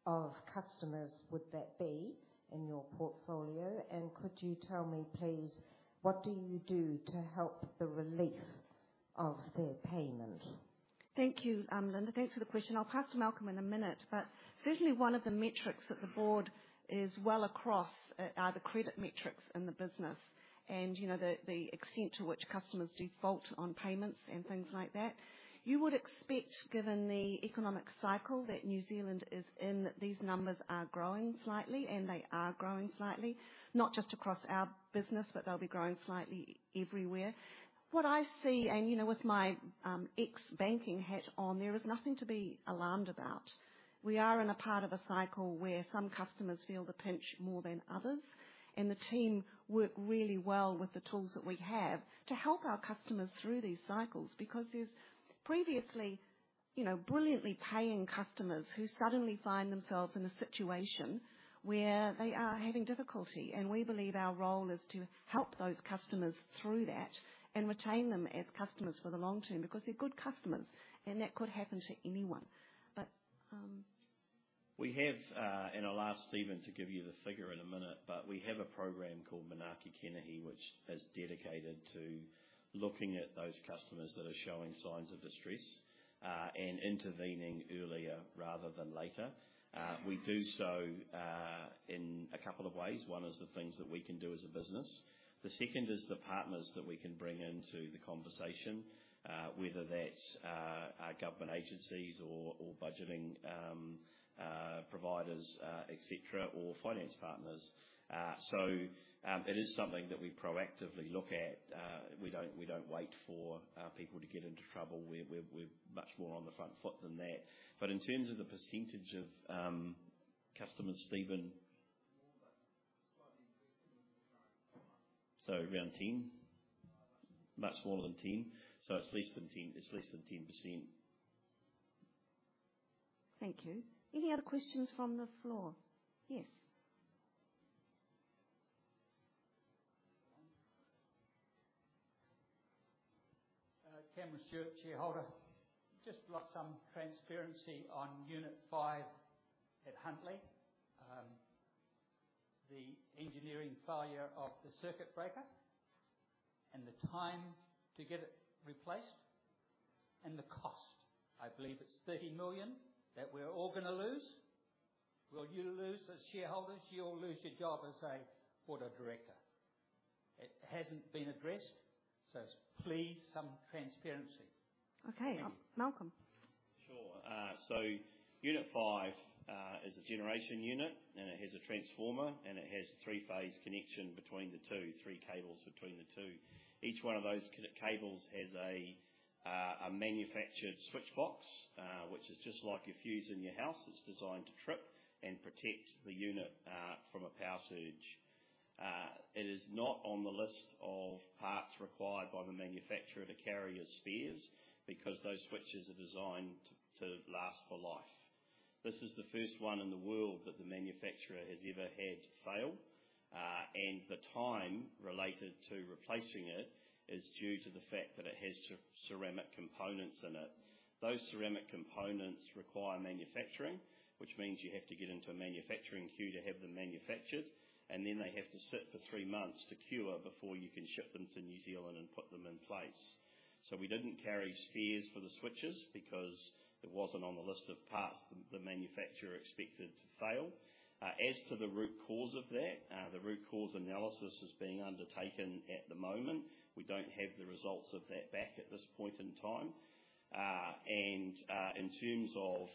of customers would that be in your portfolio? And could you tell me, please, what do you do to help the relief of their payment? Thank you, Linda. Thanks for the question. I'll pass to Malcolm in a minute. But certainly, one of the metrics that the board is well across are the credit metrics in the business, and, you know, the extent to which customers default on payments and things like that. You would expect, given the economic cycle that New Zealand is in, that these numbers are growing slightly, and they are growing slightly. Not just across our business, but they'll be growing slightly everywhere. What I see, and, you know, with my ex-banking hat on, there is nothing to be alarmed about. We are in a part of a cycle where some customers feel the pinch more than others, and the team work really well with the tools that we have to help our customers through these cycles. Because there's previously, you know, brilliantly paying customers who suddenly find themselves in a situation where they are having difficulty, and we believe our role is to help those customers through that and retain them as customers for the long term, because they're good customers, and that could happen to anyone. But, We have, and I'll ask Steven to give you the figure in a minute, but we have a program called Manaaki Kenehi, which is dedicated to looking at those customers that are showing signs of distress, and intervening earlier rather than later. We do so in a couple of ways. One is the things that we can do as a business. The second is the partners that we can bring into the conversation, whether that's our government agencies or budgeting providers, et cetera, or finance partners. So, it is something that we proactively look at. We don't wait for people to get into trouble. We're much more on the front foot than that. But in terms of the percentage of customers, Steven? Small, but slightly increasing. So around 10? Much smaller. Much smaller than 10. So it's less than 10. It's less than 10%. Thank you. Any other questions from the floor? Yes. Cameron Stewart, shareholder. Just like some transparency Unit 5 at Huntly. The engineering failure of the circuit breaker and the time to get it replaced and the cost. I believe it's 30 million that we're all gonna lose. Will you lose as shareholders, or you'll lose your job as a board of director? It hasn't been addressed, so please, some transparency. Okay. Thank you. Malcolm? Sure. Unit 5 is a generation unit, and it has a transformer, and it has three-phase connection between the two, three cables between the two. Each one of those cables has a manufactured switchbox, which is just like a fuse in your house. It's designed to trip and protect the unit from a power surge. It is not on the list of parts required by the manufacturer to carry as spares, because those switches are designed to last for life. This is the first one in the world that the manufacturer has ever had fail, and the time related to replacing it is due to the fact that it has ceramic components in it. Those ceramic components require manufacturing, which means you have to get into a manufacturing queue to have them manufactured, and then they have to sit for three months to cure before you can ship them to New Zealand and put them in place. So we didn't carry spares for the switches because it wasn't on the list of parts the manufacturer expected to fail. As to the root cause of that, the root cause analysis is being undertaken at the moment. We don't have the results of that back at this point in time. In terms of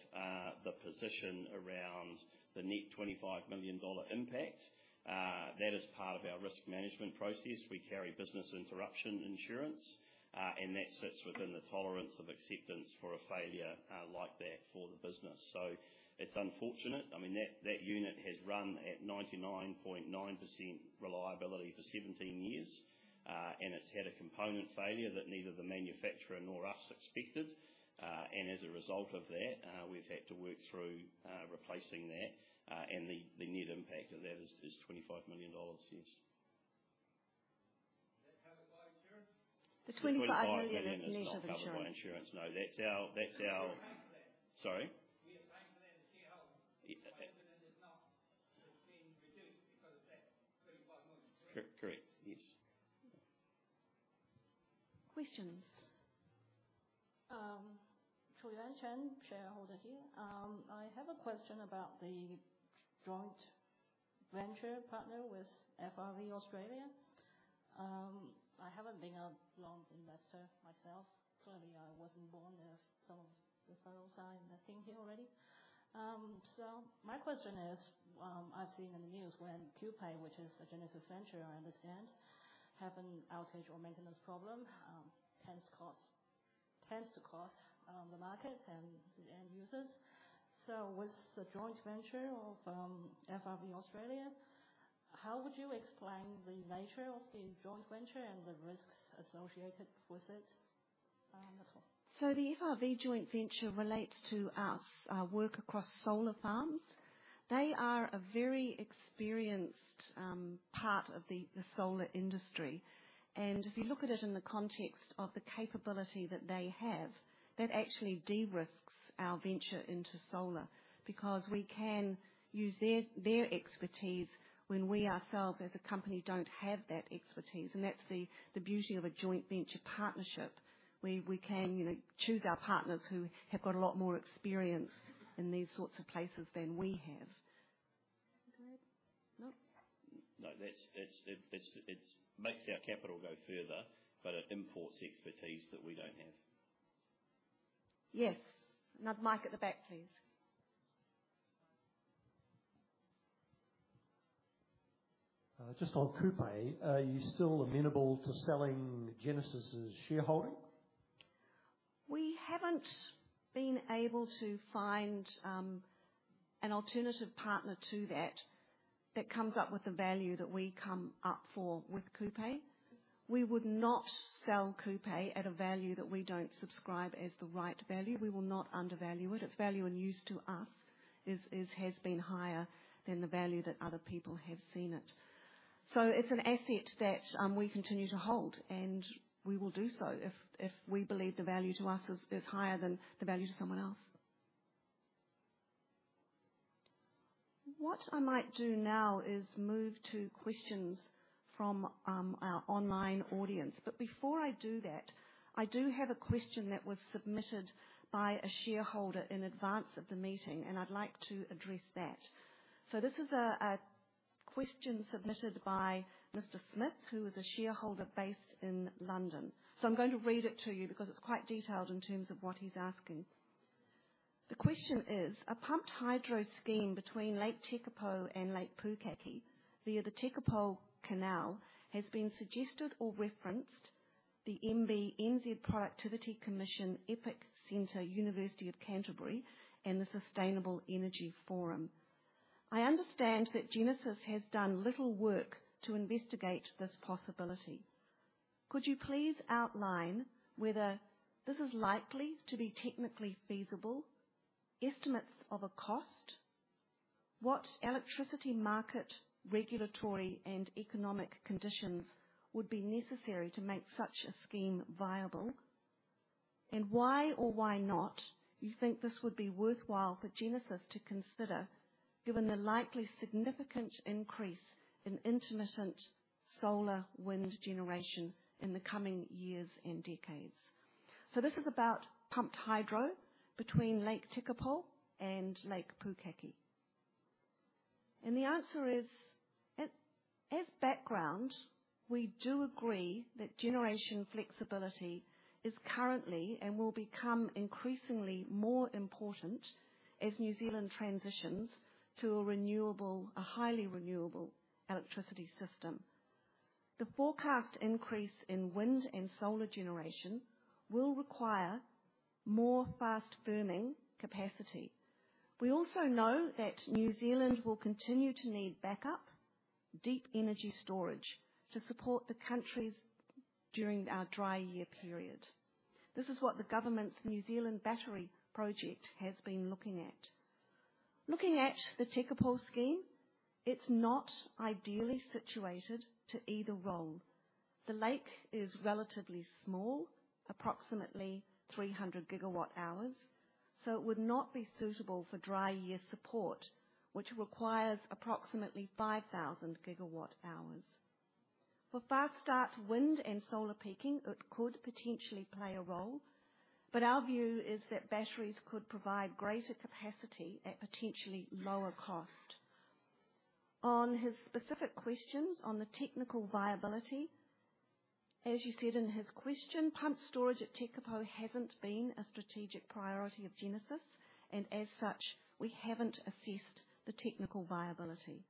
the position around the net 25 million dollar impact, that is part of our risk management process. We carry business interruption insurance, and that sits within the tolerance of acceptance for a failure like that for the business. So it's unfortunate. I mean, that unit has run at 99.9% reliability for 17 years. And it's had a component failure that neither the manufacturer nor us expected. And as a result of that, we've had to work through replacing that, and the net impact of that is 25 million dollars, yes. Is that covered by insurance? The 25 million is not covered by insurance. No, that's our- You're paying for that? Sorry. You're paying for that as a shareholder. Yeah, it- But it has not been reduced because of that NZD 25 million. Cor-correct, yes. Questions? Troy Lanchan, shareholder here. I have a question about the joint venture partner with FRV Australia. I haven't been a long investor myself. Clearly, I wasn't born when some of the photos are in the thing here already. So my question is, I've seen in the news when Kupe, which is a Genesis venture, I understand, have an outage or maintenance problem, tends to cost the market and users. So with the joint venture of FRV Australia, how would you explain the nature of the joint venture and the risks associated with it? That's all. So the FRV joint venture relates to us, our work across solar farms. They are a very experienced part of the solar industry, and if you look at it in the context of the capability that they have, that actually de-risks our venture into solar. Because we can use their expertise when we ourselves, as a company, don't have that expertise, and that's the beauty of a joint venture partnership, where we can, you know, choose our partners who have got a lot more experience in these sorts of places than we have. Okay. Nope? No, that's it. It makes our capital go further, but it imports expertise that we don't have. Yes. Another mic at the back, please. Just on Kupe, are you still amenable to selling Genesis's shareholding? We haven't been able to find, an alternative partner to that, that comes up with a value that we come up for with Kupe. We would not sell Kupe at a value that we don't subscribe as the right value. We will not undervalue it. Its value and use to us is, is, has been higher than the value that other people have seen it. So it's an asset that, we continue to hold, and we will do so if, if we believe the value to us is, is higher than the value to someone else. What I might do now is move to questions from, our online audience. But before I do that, I do have a question that was submitted by a shareholder in advance of the meeting, and I'd like to address that. So this is a, a question submitted by Mr. Smith, who is a shareholder based in London. I'm going to read it to you because it's quite detailed in terms of what he's asking. The question is: A pumped hydro scheme between Lake Tekapo and Lake Pukaki, via the Tekapo Canal, has been suggested or referenced, the MBIE, NZ Productivity Commission, EPECentre, University of Canterbury, and the Sustainable Energy Forum. I understand that Genesis has done little work to investigate this possibility. Could you please outline whether this is likely to be technically feasible, estimates of a cost, what electricity market, regulatory, and economic conditions would be necessary to make such a scheme viable? Why or why not you think this would be worthwhile for Genesis to consider, given the likely significant increase in intermittent solar wind generation in the coming years and decades? This is about pumped hydro between Lake Tekapo and Lake Pukaki. The answer is, as background, we do agree that generation flexibility is currently, and will become increasingly more important as New Zealand transitions to a highly renewable electricity system. The forecast increase in wind and solar generation will require more fast firming capacity. We also know that New Zealand will continue to need backup, deep energy storage, to support the countries during our dry year period. This is what the government's New Zealand Battery Project has been looking at. Looking at the Tekapo scheme, it's not ideally situated to either role. The lake is relatively small, approximately 300 GWh, so it would not be suitable for dry year support, which requires approximately 5,000 GWh. For fast start wind and solar peaking, it could potentially play a role, but our view is that batteries could provide greater capacity at potentially lower cost. On his specific questions on the technical viability, as you said in his question, pump storage at Tekapo hasn't been a strategic priority of Genesis, and as such, we haven't assessed the technical viability.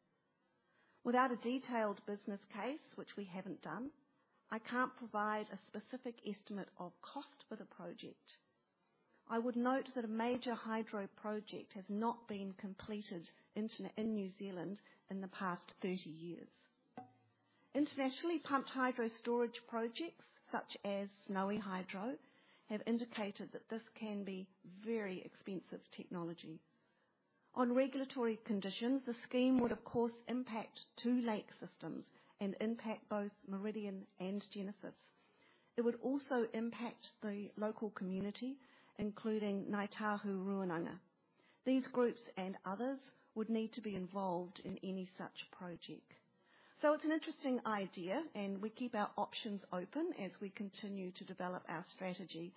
Without a detailed business case, which we haven't done, I can't provide a specific estimate of cost for the project. I would note that a major hydro project has not been completed in New Zealand in the past 30 years. Internationally, pumped hydro storage projects, such as Snowy Hydro, have indicated that this can be very expensive technology. On regulatory conditions, the scheme would, of course, impact two lake systems and impact both Meridian and Genesis. It would also impact the local community, including Ngāi Tahu Rūnanga. These groups and others would need to be involved in any such project. So it's an interesting idea, and we keep our options open as we continue to develop our strategy.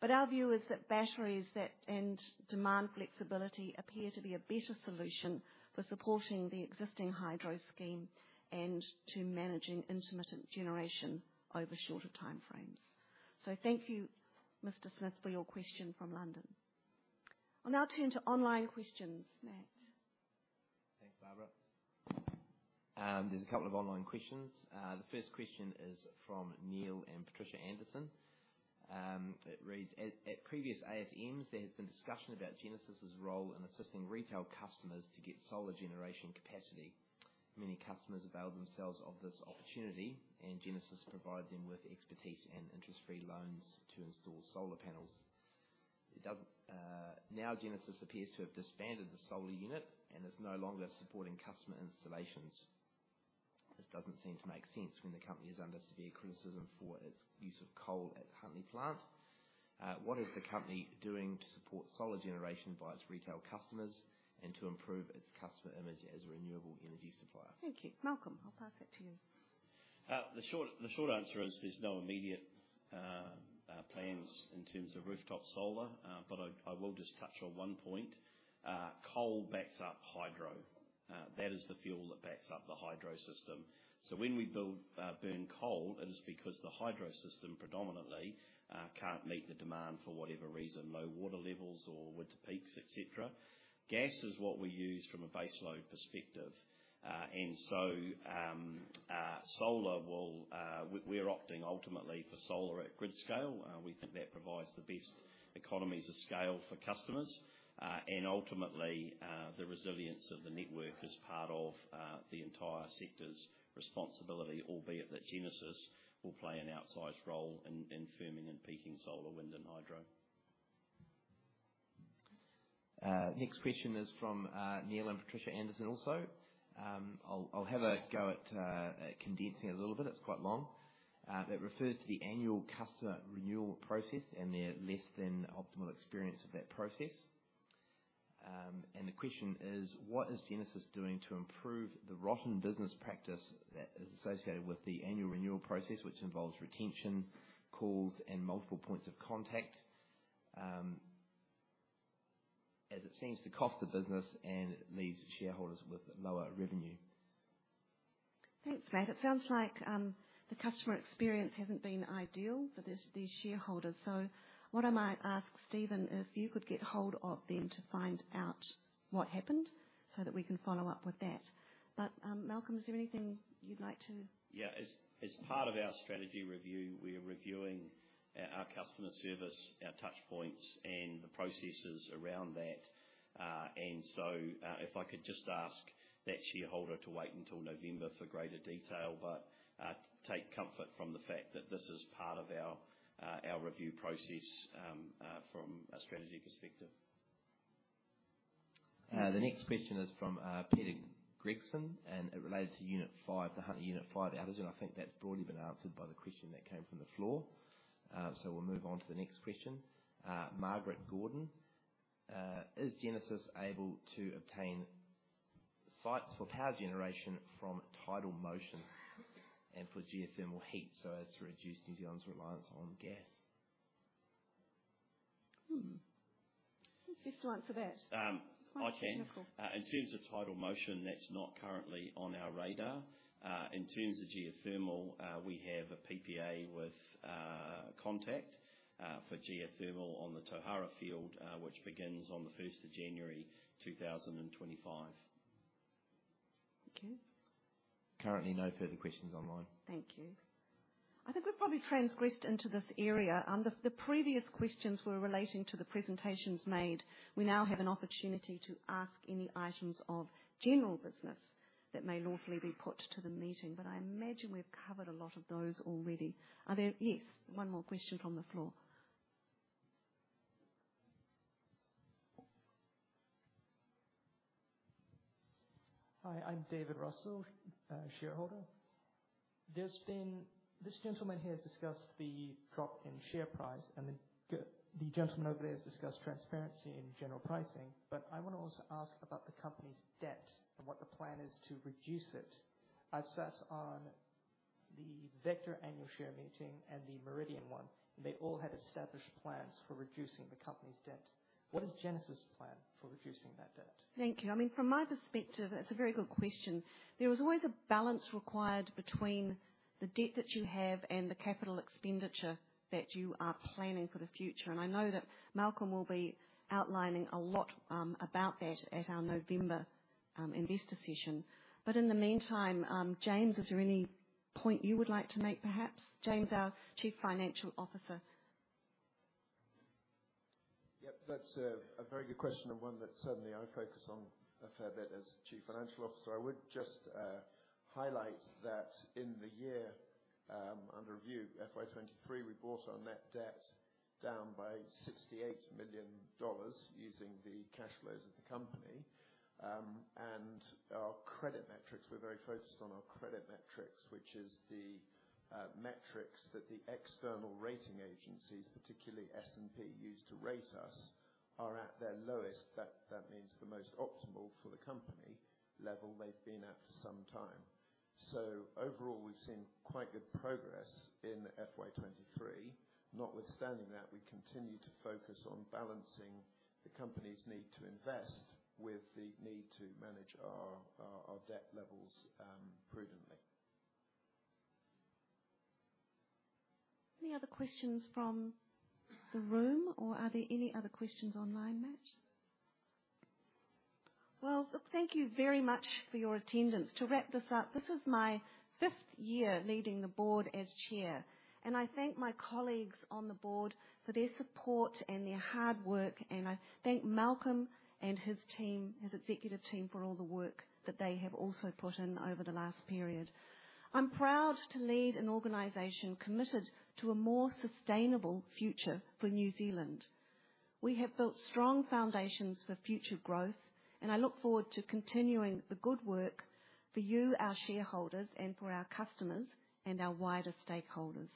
But our view is that batteries and demand flexibility appear to be a better solution for supporting the existing hydro scheme and to managing intermittent generation over shorter time frames. So thank you, Mr. Smith, for your question from London. We'll now turn to online questions, Matt. Thanks, Barbara. There's a couple of online questions. The first question is from Neil and Patricia Anderson. It reads, "At previous ASMs, there has been discussion about Genesis's role in assisting retail customers to get solar generation capacity. Many customers avail themselves of this opportunity, and Genesis provide them with expertise and interest-free loans to install solar panels. It does... Now, Genesis appears to have disbanded the solar unit and is no longer supporting customer installations. This doesn't seem to make sense when the company is under severe criticism for its use of coal at the Huntly plant. What is the company doing to support solar generation by its retail customers and to improve its customer image as a renewable energy supplier? Thank you. Malcolm, I'll pass it to you. The short, the short answer is there's no immediate plans in terms of rooftop solar. But I, I will just touch on one point. Coal backs up hydro. That is the fuel that backs up the hydro system. So when we build, burn coal, it is because the hydro system predominantly can't meet the demand for whatever reason, low water levels or winter peaks, et cetera. Gas is what we use from a baseload perspective. And so solar will... We're opting ultimately for solar at grid scale. We think that provides the best economies of scale for customers. And ultimately, the resilience of the network is part of the entire sector's responsibility, albeit that Genesis will play an outsized role in firming and peaking solar, wind, and hydro. Next question is from Neil and Patricia Anderson also. I'll have a go at condensing it a little bit. It's quite long. It refers to the annual customer renewal process and their less than optimal experience of that process. And the question is: What is Genesis doing to improve the rotten business practice that is associated with the annual renewal process, which involves retention calls, and multiple points of contact, as it seems to cost the business and leaves shareholders with lower revenue? Thanks, Matt. It sounds like, the customer experience hasn't been ideal for these, these shareholders. So what I might ask Steven, if you could get hold of them to find out what happened so that we can follow up with that. But, Malcolm, is there anything you'd like to- Yeah. As part of our strategy review, we are reviewing our customer service, our touch points, and the processes around that. And so, if I could just ask that shareholder to wait until November for greater detail, but take comfort from the fact that this is part of our review process from a strategy perspective. The next question is from Peter Gregson, and it relates Unit 5, the Unit 5 outage, and I think that's broadly been answered by the question that came from the floor. So we'll move on to the next question. Margaret Gordon: Is Genesis able to obtain sites for power generation from tidal motion and for geothermal heat so as to reduce New Zealand's reliance on gas? Hmm. Who's best to answer that? I can. Malcolm. In terms of tidal motion, that's not currently on our radar. In terms of geothermal, we have a PPA with Contact for geothermal on the Tauhara field, which begins on the first of January 2025.... Thank you. Currently, no further questions online. Thank you. I think we've probably transgressed into this area. The previous questions were relating to the presentations made. We now have an opportunity to ask any items of general business that may lawfully be put to the meeting, but I imagine we've covered a lot of those already. Are there? Yes, one more question from the floor. Hi, I'm David Russell, a shareholder. This gentleman here has discussed the drop in share price, and the gentleman over there has discussed transparency in general pricing, but I wanna also ask about the company's debt and what the plan is to reduce it. I've sat on the Vector annual share meeting and the Meridian one. They all had established plans for reducing the company's debt. What is Genesis' plan for reducing that debt? Thank you. I mean, from my perspective, it's a very good question. There is always a balance required between the debt that you have and the capital expenditure that you are planning for the future, and I know that Malcolm will be outlining a lot about that at our November investor session. But in the meantime, James, is there any point you would like to make, perhaps? James, our Chief Financial Officer. Yep, that's a very good question and one that certainly I focus on a fair bit as Chief Financial Officer. I would just highlight that in the year under review, FY 2023, we brought our net debt down by 68 million dollars using the cash flows of the company. And our credit metrics, we're very focused on our credit metrics, which is the metrics that the external rating agencies, particularly S&P, use to rate us, are at their lowest. That means the most optimal for the company level they've been at for some time. So overall, we've seen quite good progress in FY 2023. Notwithstanding that, we continue to focus on balancing the company's need to invest with the need to manage our debt levels prudently. Any other questions from the room, or are there any other questions online, Matt? Well, thank you very much for your attendance. To wrap this up, this is my fifth year leading the board as chair, and I thank my colleagues on the board for their support and their hard work. I thank Malcolm and his team, his executive team, for all the work that they have also put in over the last period. I'm proud to lead an organization committed to a more sustainable future for New Zealand. We have built strong foundations for future growth, and I look forward to continuing the good work for you, our shareholders, and for our customers and our wider stakeholders.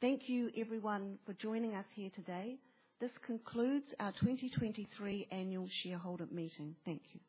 Thank you, everyone, for joining us here today. This concludes our 2023 annual shareholder meeting. Thank you.